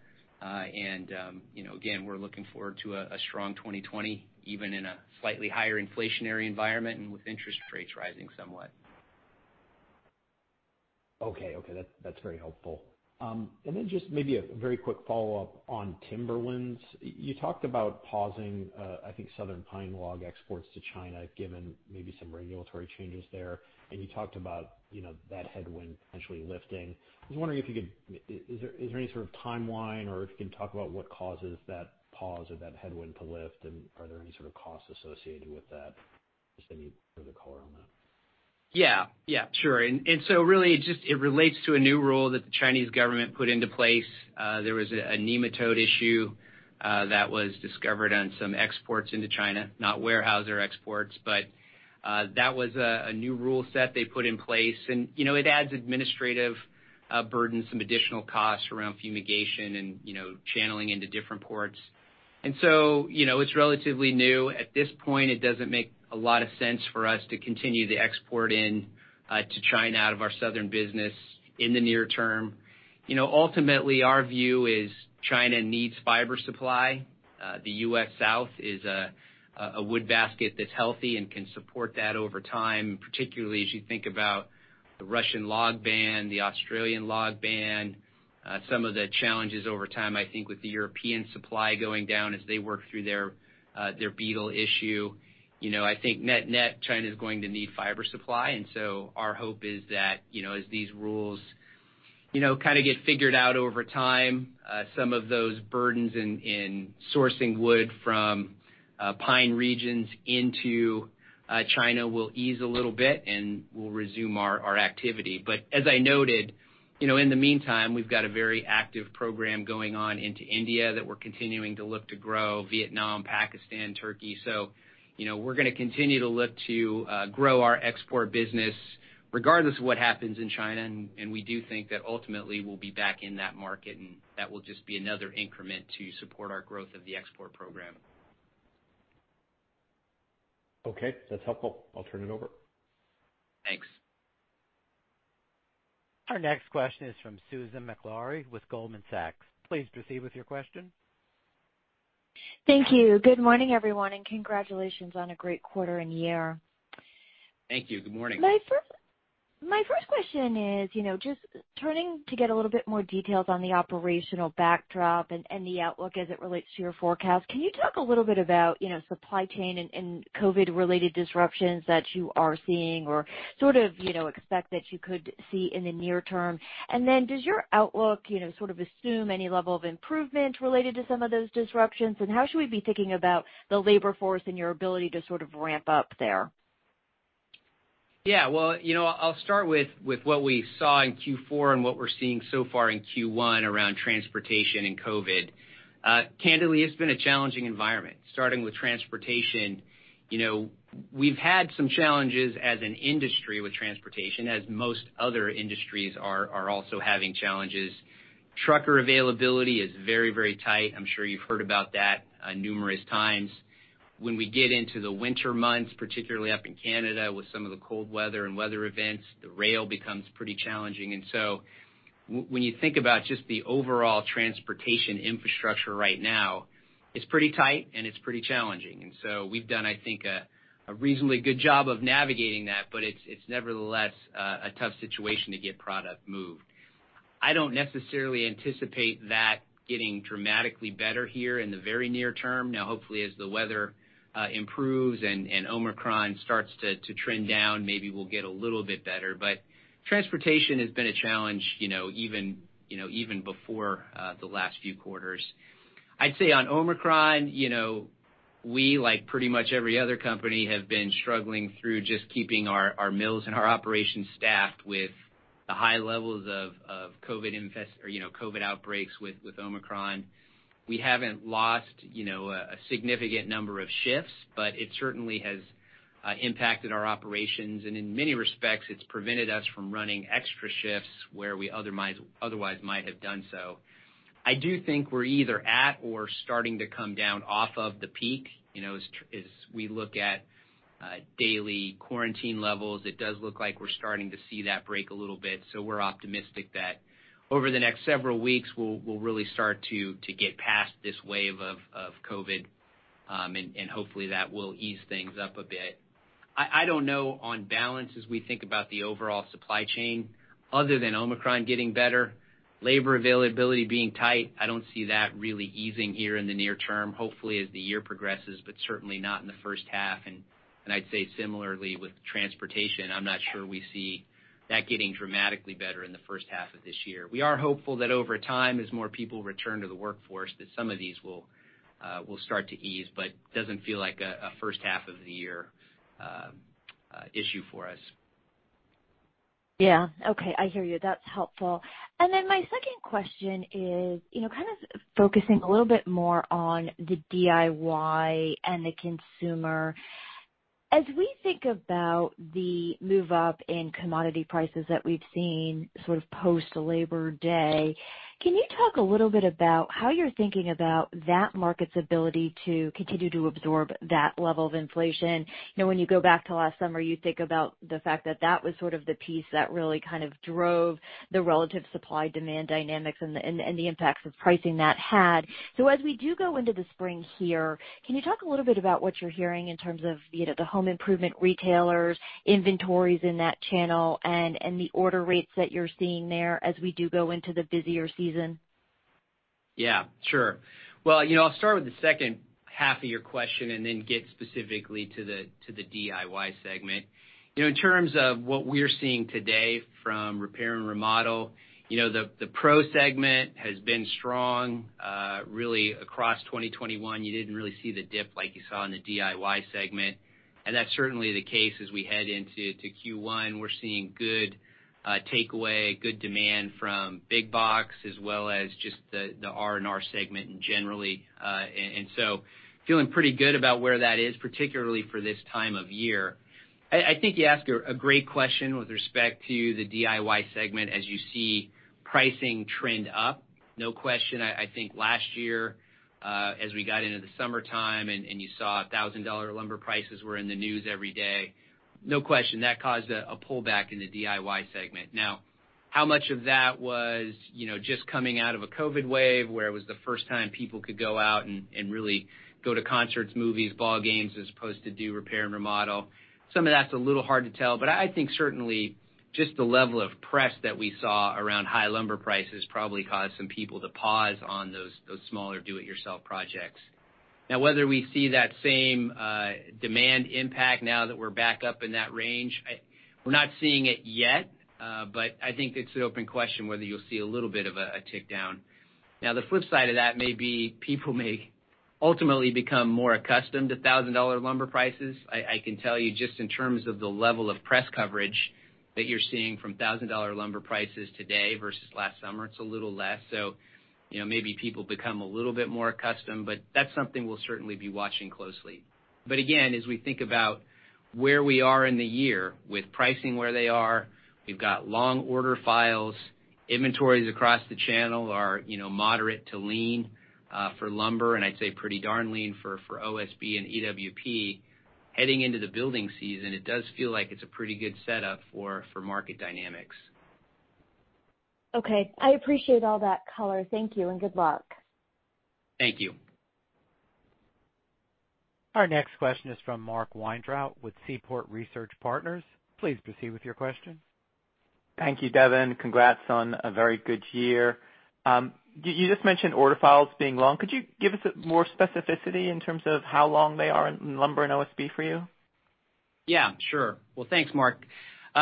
You know, again, we're looking forward to a strong 2020, even in a slightly higher inflationary environment and with interest rates rising somewhat. Okay, that's very helpful. Then just maybe a very quick follow-up on timberlands. You talked about pausing, I think Southern pine log exports to China, given maybe some regulatory changes there. You talked about, you know, that headwind potentially lifting. I was wondering if you could. Is there any sort of timeline or if you can talk about what causes that pause or that headwind to lift, and are there any sort of costs associated with that? Just any bit of color on that. Yeah. Yeah, sure. Really just it relates to a new rule that the Chinese government put into place. There was a nematode issue that was discovered on some exports into China, not Weyerhaeuser exports, but that was a new rule set they put in place. You know, it adds administrative burden, some additional costs around fumigation and, you know, channeling into different ports. You know, it's relatively new. At this point, it doesn't make a lot of sense for us to continue to export in, to China out of our Southern business in the near term. You know, ultimately our view is China needs fiber supply. The U.S. South is a wood basket that's healthy and can support that over time, particularly as you think about the Russian log ban, the Australian log ban, some of the challenges over time, I think with the European supply going down as they work through their beetle issue. You know, I think net-net, China's going to need fiber supply. Our hope is that, you know, as these rules, you know, kind of get figured out over time, some of those burdens in sourcing wood from pine regions into China will ease a little bit, and we'll resume our activity. As I noted, you know, in the meantime, we've got a very active program going on into India that we're continuing to look to grow, Vietnam, Pakistan, Turkey. You know, we're gonna continue to look to grow our export business regardless of what happens in China. We do think that ultimately we'll be back in that market, and that will just be another increment to support our growth of the export program. Okay. That's helpful. I'll turn it over. Thanks. Our next question is from Susan Maklari with Goldman Sachs. Please proceed with your question. Thank you. Good morning, everyone, and congratulations on a great quarter and year. Thank you. Good morning. My first question is, you know, just turning to get a little bit more details on the operational backdrop and the outlook as it relates to your forecast. Can you talk a little bit about, you know, supply chain and COVID-related disruptions that you are seeing or sort of, you know, expect that you could see in the near term? Does your outlook, you know, sort of assume any level of improvement related to some of those disruptions? How should we be thinking about the labor force and your ability to sort of ramp up there? Well, you know, I'll start with what we saw in Q4 and what we're seeing so far in Q1 around transportation and COVID. Candidly, it's been a challenging environment. Starting with transportation, you know, we've had some challenges as an industry with transportation, as most other industries are also having challenges. Trucker availability is very, very tight. I'm sure you've heard about that numerous times. When we get into the winter months, particularly up in Canada with some of the cold weather and weather events, the rail becomes pretty challenging. When you think about just the overall transportation infrastructure right now, it's pretty tight, and it's pretty challenging. We've done, I think, a reasonably good job of navigating that, but it's nevertheless a tough situation to get product moved. I don't necessarily anticipate that getting dramatically better here in the very near term. Now, hopefully, as the weather improves and Omicron starts to trend down, maybe we'll get a little bit better. But transportation has been a challenge, you know, even before the last few quarters. I'd say on Omicron, you know, we, like pretty much every other company, have been struggling through just keeping our mills and our operations staffed with the high levels of COVID outbreaks with Omicron. We haven't lost, you know, a significant number of shifts, but it certainly has impacted our operations. In many respects, it's prevented us from running extra shifts where we otherwise might have done so. I do think we're either at or starting to come down off of the peak. You know, as we look at daily quarantine levels, it does look like we're starting to see that break a little bit. We're optimistic that over the next several weeks, we'll really start to get past this wave of COVID, and hopefully that will ease things up a bit. I don't know on balance as we think about the overall supply chain other than Omicron getting better. Labor availability being tight, I don't see that really easing here in the near term. Hopefully as the year progresses, but certainly not in the first half. I'd say similarly with transportation, I'm not sure we see that getting dramatically better in the first half of this year. We are hopeful that over time, as more people return to the workforce, that some of these will start to ease, but it doesn't feel like a first half of the year issue for us. Yeah. Okay. I hear you. That's helpful. My second question is, you know, kind of focusing a little bit more on the DIY and the consumer. As we think about the move up in commodity prices that we've seen sort of post Labor Day, can you talk a little bit about how you're thinking about that market's ability to continue to absorb that level of inflation? You know, when you go back to last summer, you think about the fact that that was sort of the piece that really kind of drove the relative supply-demand dynamics and the impacts of pricing that had. As we do go into the spring here, can you talk a little bit about what you're hearing in terms of, you know, the home improvement retailers, inventories in that channel and the order rates that you're seeing there as we do go into the busier season? Yeah, sure. Well, you know, I'll start with the second half of your question and then get specifically to the DIY segment. You know, in terms of what we're seeing today from repair and remodel, you know, the pro segment has been strong really across 2021. You didn't really see the dip like you saw in the DIY segment. That's certainly the case as we head into Q1. We're seeing good takeaway, good demand from big box as well as just the R&R segment generally, and so feeling pretty good about where that is, particularly for this time of year. I think you ask a great question with respect to the DIY segment as you see pricing trend up. No question. I think last year, as we got into the summertime and you saw $1,000 lumber prices were in the news every day, no question that caused a pullback in the DIY segment. Now, how much of that was, you know, just coming out of a COVID wave where it was the first time people could go out and really go to concerts, movies, ball games, as opposed to do repair and remodel? Some of that's a little hard to tell, but I think certainly just the level of press that we saw around high lumber prices probably caused some people to pause on those smaller do it yourself projects. Now, whether we see that same demand impact now that we're back up in that range, we're not seeing it yet, but I think it's an open question whether you'll see a little bit of a tick down. The flip side of that may be people may ultimately become more accustomed to $1,000 lumber prices. I can tell you just in terms of the level of press coverage that you're seeing from $1,000 lumber prices today versus last summer, it's a little less. You know, maybe people become a little bit more accustomed, but that's something we'll certainly be watching closely. Again, as we think about where we are in the year with pricing where they are, we've got long order files. Inventories across the channel are, you know, moderate to lean for lumber, and I'd say pretty darn lean for OSB and EWP. Heading into the building season, it does feel like it's a pretty good setup for market dynamics. Okay. I appreciate all that color. Thank you, and good luck. Thank you. Our next question is from Mark Weintraub with Seaport Research Partners. Please proceed with your question. Thank you, Devin. Congrats on a very good year. You just mentioned order files being long. Could you give us more specificity in terms of how long they are in lumber and OSB for you? Yeah, sure. Well, thanks, Mark.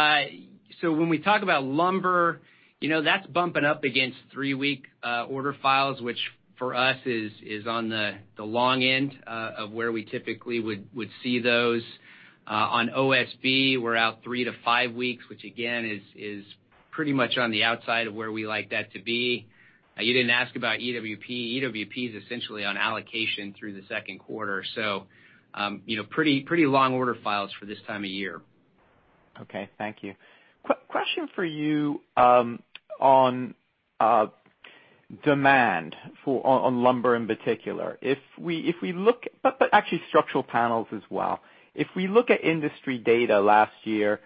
So when we talk about lumber, you know, that's bumping up against three-week order files, which for us is on the long end of where we typically would see those. On OSB, we're out three-five weeks, which again is pretty much on the outside of where we like that to be. You didn't ask about EWP. EWP is essentially on allocation through the Q2. You know, pretty long order files for this time of year. Okay. Thank you. Question for you on demand for lumber in particular, actually structural panels as well. If we look at industry data last year,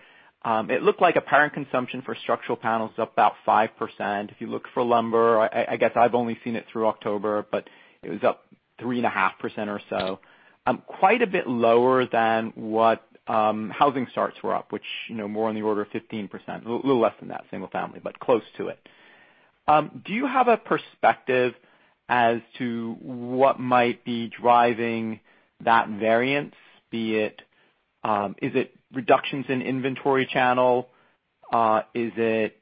it looked like apparent consumption for structural panels is up about 5%. If you look for lumber, I guess I've only seen it through October, but it was up 3.5% or so. Quite a bit lower than what housing starts were up, which, you know, more on the order of 15%. A little less than that, single family, but close to it. Do you have a perspective as to what might be driving that variance? Be it, is it reductions in channel inventory? Is it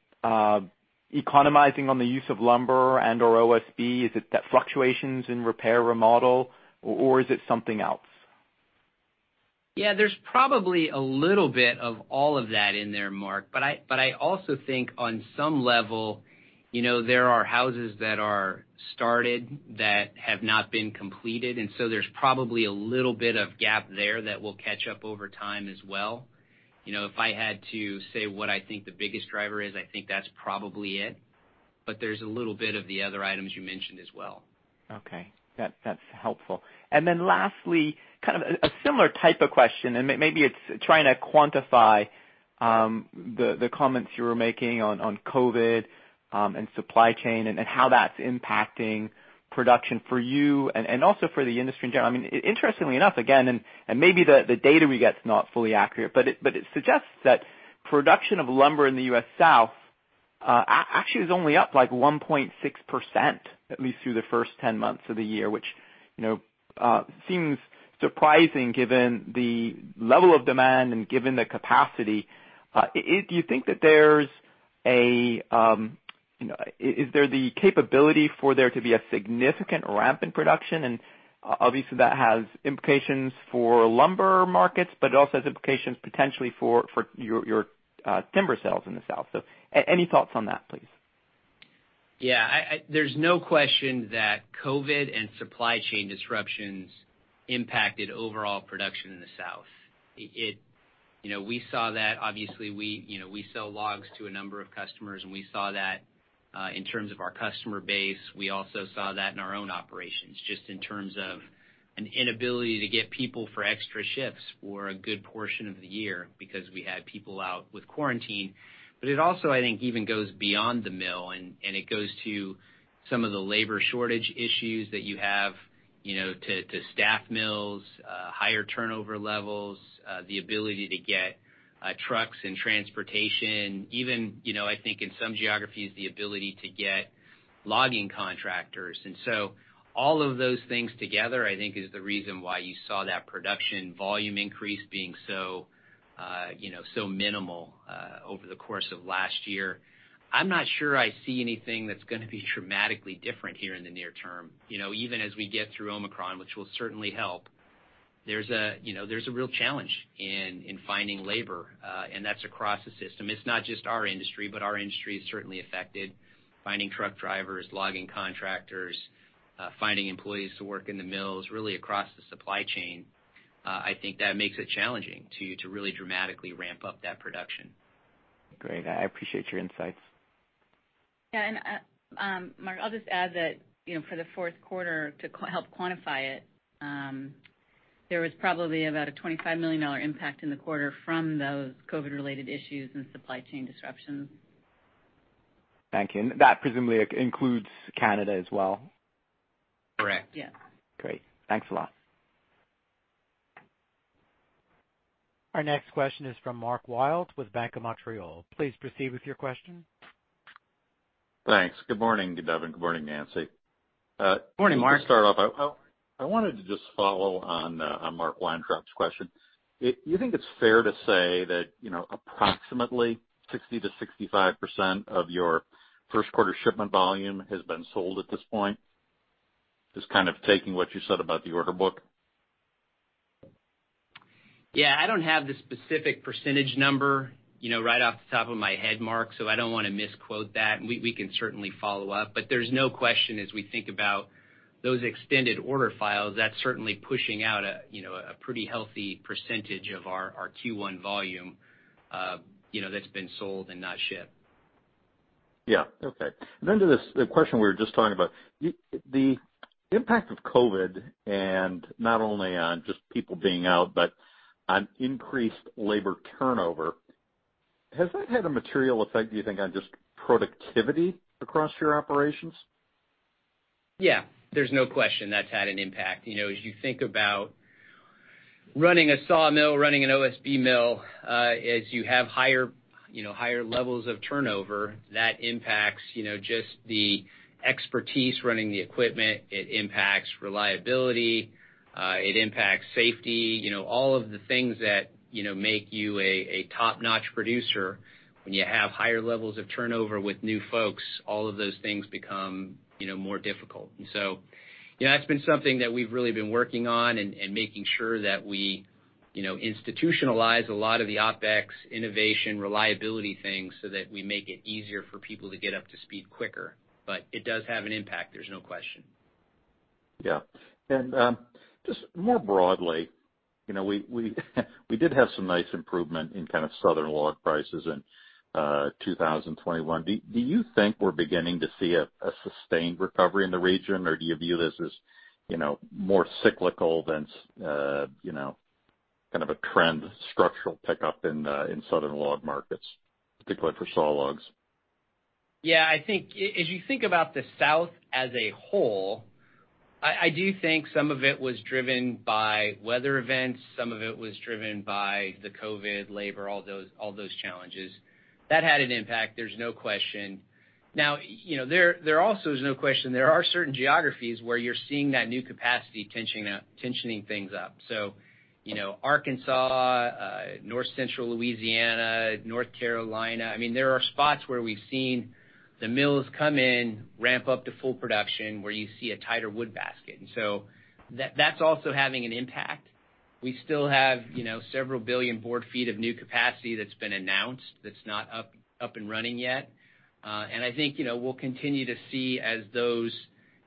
economizing on the use of lumber and/or OSB? Is it that fluctuations in repair, remodel, or is it something else? Yeah, there's probably a little bit of all of that in there, Mark. I also think on some level, you know, there are houses that are started that have not been completed, and so there's probably a little bit of gap there that will catch up over time as well. You know, if I had to say what I think the biggest driver is, I think that's probably it. There's a little bit of the other items you mentioned as well. Okay. That's helpful. Then lastly, kind of a similar type of question, and maybe it's trying to quantify the comments you were making on COVID and supply chain and how that's impacting production for you and also for the industry in general. I mean, interestingly enough, again, and maybe the data we get is not fully accurate, but it suggests that production of lumber in the U.S. South actually is only up like 1.6%, at least through the first 10 months of the year, which, you know, seems surprising given the level of demand and given the capacity. Is there the capability for there to be a significant ramp in production? Obviously, that has implications for lumber markets, but it also has implications potentially for your timber sales in the South. Any thoughts on that, please? There's no question that COVID and supply chain disruptions impacted overall production in the South. You know, we saw that. Obviously, you know, we sell logs to a number of customers, and we saw that in terms of our customer base. We also saw that in our own operations, just in terms of an inability to get people for extra shifts for a good portion of the year because we had people out with quarantine. It also, I think, even goes beyond the mill and it goes to some of the labor shortage issues that you have. You know, to staff mills, higher turnover levels, the ability to get trucks and transportation. Even, you know, I think in some geographies, the ability to get logging contractors. All of those things together, I think is the reason why you saw that production volume increase being so, you know, so minimal over the course of last year. I'm not sure I see anything that's gonna be dramatically different here in the near term. You know, even as we get through Omicron, which will certainly help, there's a real challenge in finding labor, and that's across the system. It's not just our industry, but our industry is certainly affected. Finding truck drivers, logging contractors, finding employees to work in the mills, really across the supply chain. I think that makes it challenging to really dramatically ramp up that production. Great. I appreciate your insights. Yeah. Mark, I'll just add that, you know, for the Q4 to help quantify it, there was probably about a $25 million impact in the quarter from those COVID-related issues and supply chain disruptions. Thank you. That presumably includes Canada as well? Correct. Yes. Great. Thanks a lot. Our next question is from Mark Wild with Bank of Montreal. Please proceed with your question. Thanks. Good morning, Devin. Good morning, Nancy. Morning, Mark. To start off, I wanted to just follow on on Mark Weintraub's question. Do you think it's fair to say that, you know, approximately 60%-65% of your Q1 shipment volume has been sold at this point? Just kind of taking what you said about the order book. Yeah, I don't have the specific percentage number, you know, right off the top of my head, Mark, so I don't wanna misquote that. We can certainly follow up. There's no question as we think about those extended order files, that's certainly pushing out a, you know, a pretty healthy percentage of our Q1 volume, you know, that's been sold and not shipped. Yeah. Okay. To this, the question we were just talking about. The impact of COVID, and not only on just people being out, but on increased labor turnover, has that had a material effect, do you think, on just productivity across your operations? Yeah. There's no question that's had an impact. You know, as you think about running a sawmill, running an OSB mill, as you have higher, you know, higher levels of turnover, that impacts, you know, just the expertise running the equipment. It impacts reliability. It impacts safety. You know, all of the things that, you know, make you a top-notch producer when you have higher levels of turnover with new folks, all of those things become, you know, more difficult. You know, that's been something that we've really been working on and making sure that we, you know, institutionalize a lot of the OpEx innovation, reliability things so that we make it easier for people to get up to speed quicker. It does have an impact, there's no question. Just more broadly, you know, we did have some nice improvement in kind of southern log prices in 2021. Do you think we're beginning to see a sustained recovery in the region, or do you view this as, you know, more cyclical than you know, kind of a trend structural pickup in southern log markets, particularly for sawlogs? Yeah, I think if you think about the South as a whole, I do think some of it was driven by weather events, some of it was driven by the COVID labor, all those challenges. That had an impact, there's no question. Now, you know, there also is no question there are certain geographies where you're seeing that new capacity tensioning things up. You know, Arkansas, North Central Louisiana, North Carolina, I mean, there are spots where we've seen the mills come in, ramp up to full production, where you see a tighter wood basket. That, that's also having an impact. We still have, you know, several billion board feet of new capacity that's been announced that's not up and running yet. I think, you know, we'll continue to see as those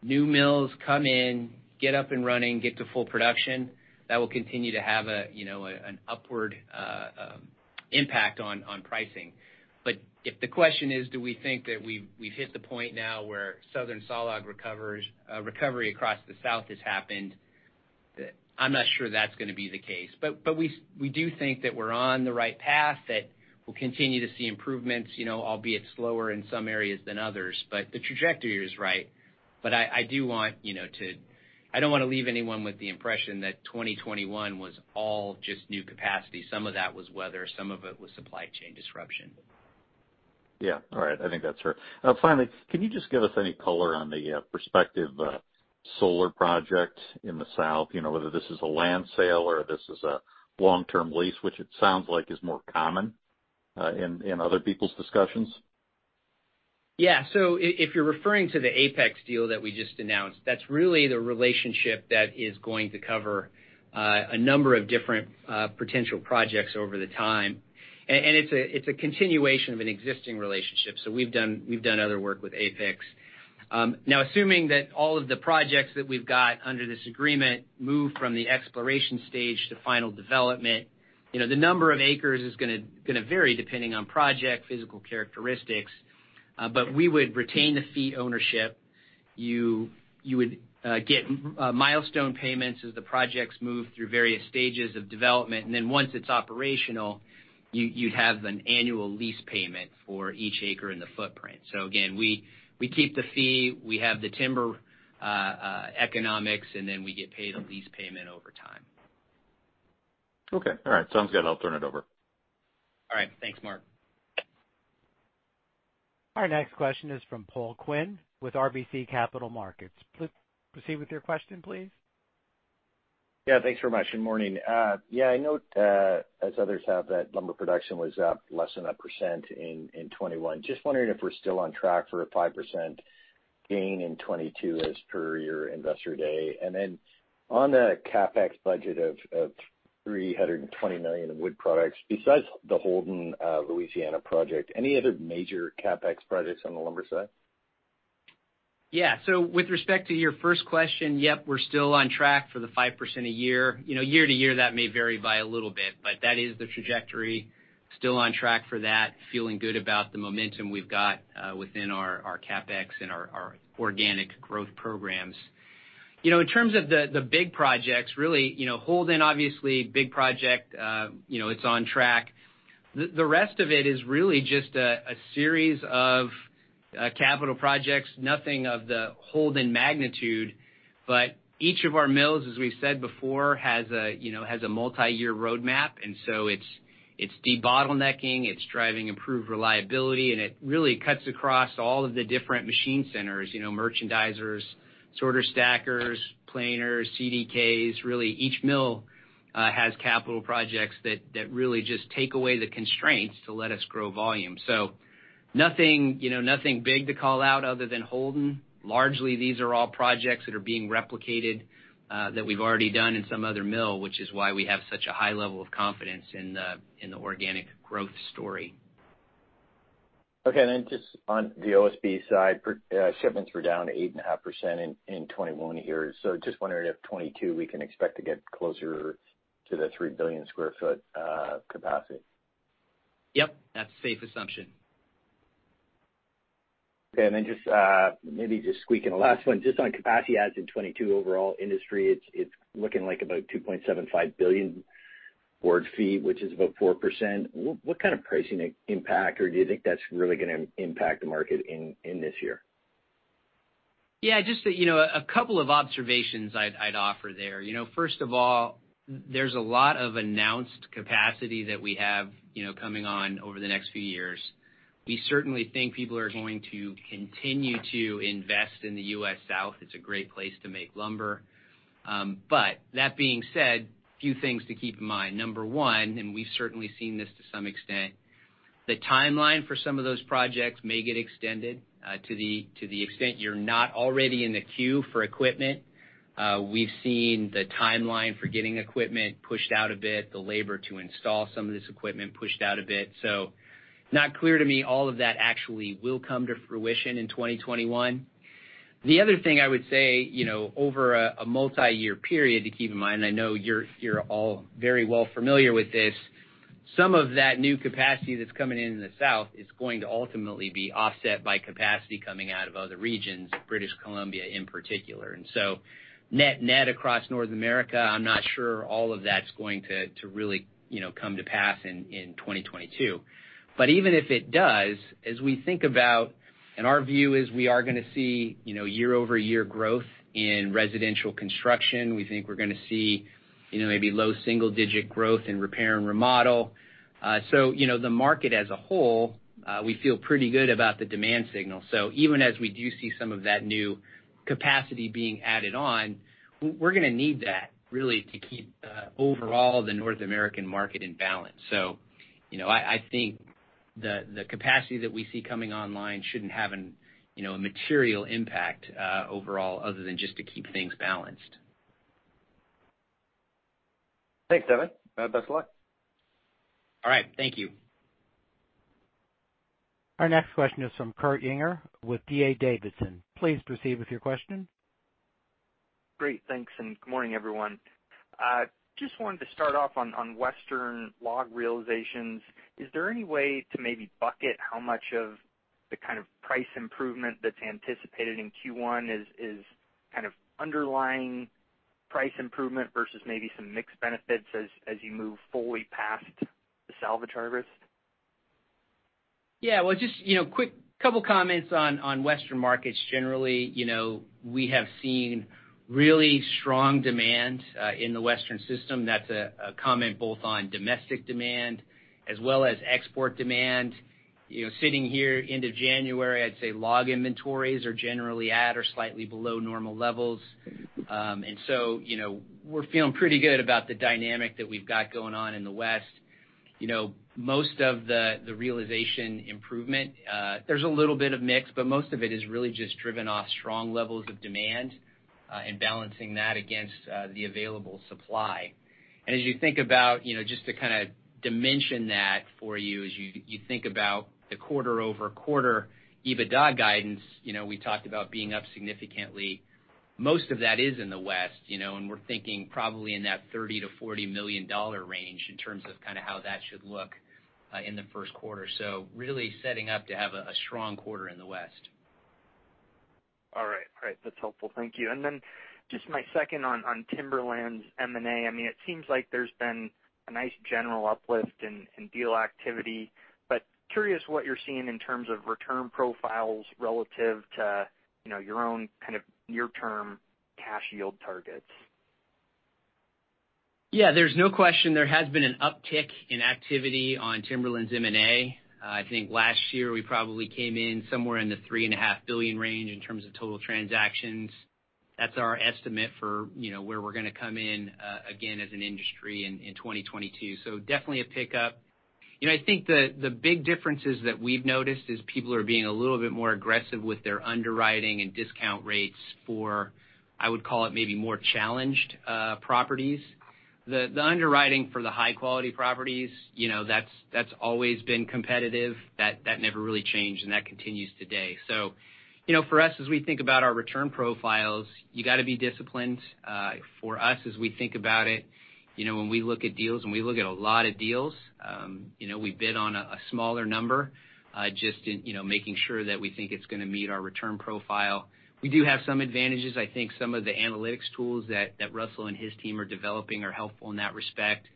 new mills come in, get up and running, get to full production, that will continue to have a, you know, an upward impact on pricing. If the question is, do we think that we've hit the point now where southern sawlog recovery across the South has happened, I'm not sure that's gonna be the case. We do think that we're on the right path, that we'll continue to see improvements, you know, albeit slower in some areas than others. The trajectory is right. I do want, you know, I don't wanna leave anyone with the impression that 2021 was all just new capacity. Some of that was weather, some of it was supply chain disruption. Yeah. All right. I think that's fair. Finally, can you just give us any color on the prospective solar project in the South? You know, whether this is a land sale or this is a long-term lease, which it sounds like is more common in other people's discussions. If you're referring to the Apex deal that we just announced, that's really the relationship that is going to cover a number of different potential projects over the time. It's a continuation of an existing relationship, we've done other work with Apex. Now assuming that all of the projects that we've got under this agreement move from the exploration stage to final development, you know, the number of acres is gonna vary depending on project, physical characteristics. We would retain the fee ownership. You would get milestone payments as the projects move through various stages of development. Once it's operational, you'd have an annual lease payment for each acre in the footprint. Again, we keep the fee, we have the timber economics, and then we get paid a lease payment over time. Okay. All right. Sounds good. I'll turn it over. All right. Thanks, Mark. Our next question is from Paul Quinn with RBC Capital Markets. Please proceed with your question, please. Yeah, thanks very much. Good morning. I know, as others have, that lumber production was up less than 1% in 2021. Just wondering if we're still on track for a 5% gain in 2022 as per your investor day. On the CapEx budget of $320 million in Wood Products, besides the Holden, Louisiana project, any other major CapEx projects on the lumber side? Yeah. With respect to your first question, yep, we're still on track for the 5% a year. You know, year to year, that may vary by a little bit, but that is the trajectory. Still on track for that. Feeling good about the momentum we've got within our CapEx and our organic growth programs. You know, in terms of the big projects, really, you know, Holden, obviously big project, you know, it's on track. The rest of it is really just a series of capital projects, nothing of the Holden magnitude. Each of our mills, as we said before, has a multiyear roadmap, and so it's debottlenecking, it's driving improved reliability, and it really cuts across all of the different machine centers, you know, merchandisers, sorter stackers, planers, CDKs. Really each mill has capital projects that really just take away the constraints to let us grow volume. Nothing, you know, nothing big to call out other than Holden. Largely, these are all projects that are being replicated that we've already done in some other mill, which is why we have such a high level of confidence in the organic growth story. Just on the OSB side, shipments were down 8.5% in 2021 here. Just wondering if 2022, we can expect to get closer to the 3 billion sq ft capacity. Yep, that's a safe assumption. Okay. Then just maybe just squeak in a last one, just on capacity adds in 2022 overall industry, it's looking like about 2.75 billion board feet, which is about 4%. What kind of pricing impact or do you think that's really gonna impact the market in this year? Yeah, just, you know, a couple of observations I'd offer there. You know, first of all, there's a lot of announced capacity that we have, you know, coming on over the next few years. We certainly think people are going to continue to invest in the U.S. South. It's a great place to make lumber. But that being said, few things to keep in mind. Number one, we've certainly seen this to some extent, the timeline for some of those projects may get extended, to the extent you're not already in the queue for equipment. We've seen the timeline for getting equipment pushed out a bit, the labor to install some of this equipment pushed out a bit. So not clear to me all of that actually will come to fruition in 2021. The other thing I would say, you know, over a multi-year period to keep in mind, I know you're all very well familiar with this, some of that new capacity that's coming in in the South is going to ultimately be offset by capacity coming out of other regions, British Columbia in particular. Net-net across North America, I'm not sure all of that's going to really, you know, come to pass in 2022. Even if it does, as we think about, and our view is we are gonna see, you know, year-over-year growth in residential construction. We think we're gonna see, you know, maybe low single digit growth in repair and remodel. You know, the market as a whole, we feel pretty good about the demand signal. Even as we do see some of that new capacity being added on, we're gonna need that really to keep overall the North American market in balance. You know, I think the capacity that we see coming online shouldn't have a material impact overall other than just to keep things balanced. Thanks, Devin. Best of luck. All right. Thank you. Our next question is from Kurt Yinger with D.A. Davidson. Please proceed with your question. Great. Thanks, and good morning, everyone. Just wanted to start off on Western log realizations. Is there any way to maybe bucket how much of the kind of price improvement that's anticipated in Q1 is kind of underlying price improvement versus maybe some mixed benefits as you move fully past the salvage harvest? Yeah. Well, just you know, quick couple comments on Western markets. Generally, you know, we have seen really strong demand in the Western system. That's a comment both on domestic demand as well as export demand. You know, sitting here end of January, I'd say log inventories are generally at or slightly below normal levels. You know, we're feeling pretty good about the dynamic that we've got going on in the West. You know, most of the realization improvement, there's a little bit of mix, but most of it is really just driven off strong levels of demand and balancing that against the available supply. As you think about, you know, just to kinda dimension that for you, the quarter-over-quarter EBITDA guidance, you know, we talked about being up significantly, most of that is in the West, you know, and we're thinking probably in that $30 million-$40 million range in terms of kinda how that should look in the Q1. Really setting up to have a strong quarter in the West. All right. Great. That's helpful. Thank you. Just my second on Timberlands M&A. I mean, it seems like there's been a nice general uplift in deal activity, but curious what you're seeing in terms of return profiles relative to, you know, your own kind of near-term cash yield targets? Yeah. There's no question there has been an uptick in activity on Timberlands M&A. I think last year we probably came in somewhere in the $3.5 billion range in terms of total transactions. That's our estimate for, you know, where we're gonna come in, again as an industry in 2022. Definitely a pickup. You know, I think the big differences that we've noticed is people are being a little bit more aggressive with their underwriting and discount rates for, I would call it maybe more challenged properties. The underwriting for the high-quality properties, you know, that's always been competitive. That never really changed, and that continues today. You know, for us, as we think about our return profiles, you gotta be disciplined. For us, as we think about it, you know, when we look at deals, and we look at a lot of deals, you know, we bid on a smaller number, just in, you know, making sure that we think it's gonna meet our return profile. We do have some advantages. I think some of the analytics tools that Russell and his team are developing are helpful in that respect.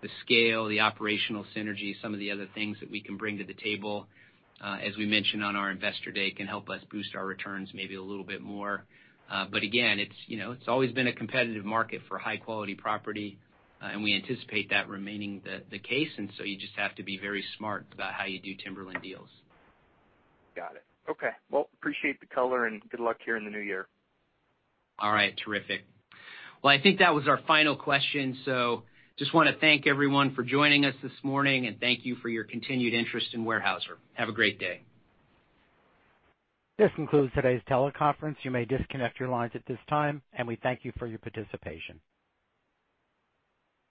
The scale, the operational synergy, some of the other things that we can bring to the table, as we mentioned on our investor day, can help us boost our returns maybe a little bit more. But again, it's, you know, it's always been a competitive market for high-quality property, and we anticipate that remaining the case. You just have to be very smart about how you do timberland deals. Got it. Okay. Well, appreciate the color, and good luck here in the new year. All right. Terrific. Well, I think that was our final question, so just wanna thank everyone for joining us this morning, and thank you for your continued interest in Weyerhaeuser. Have a great day. This concludes today's teleconference. You may disconnect your lines at this time, and we thank you for your participation.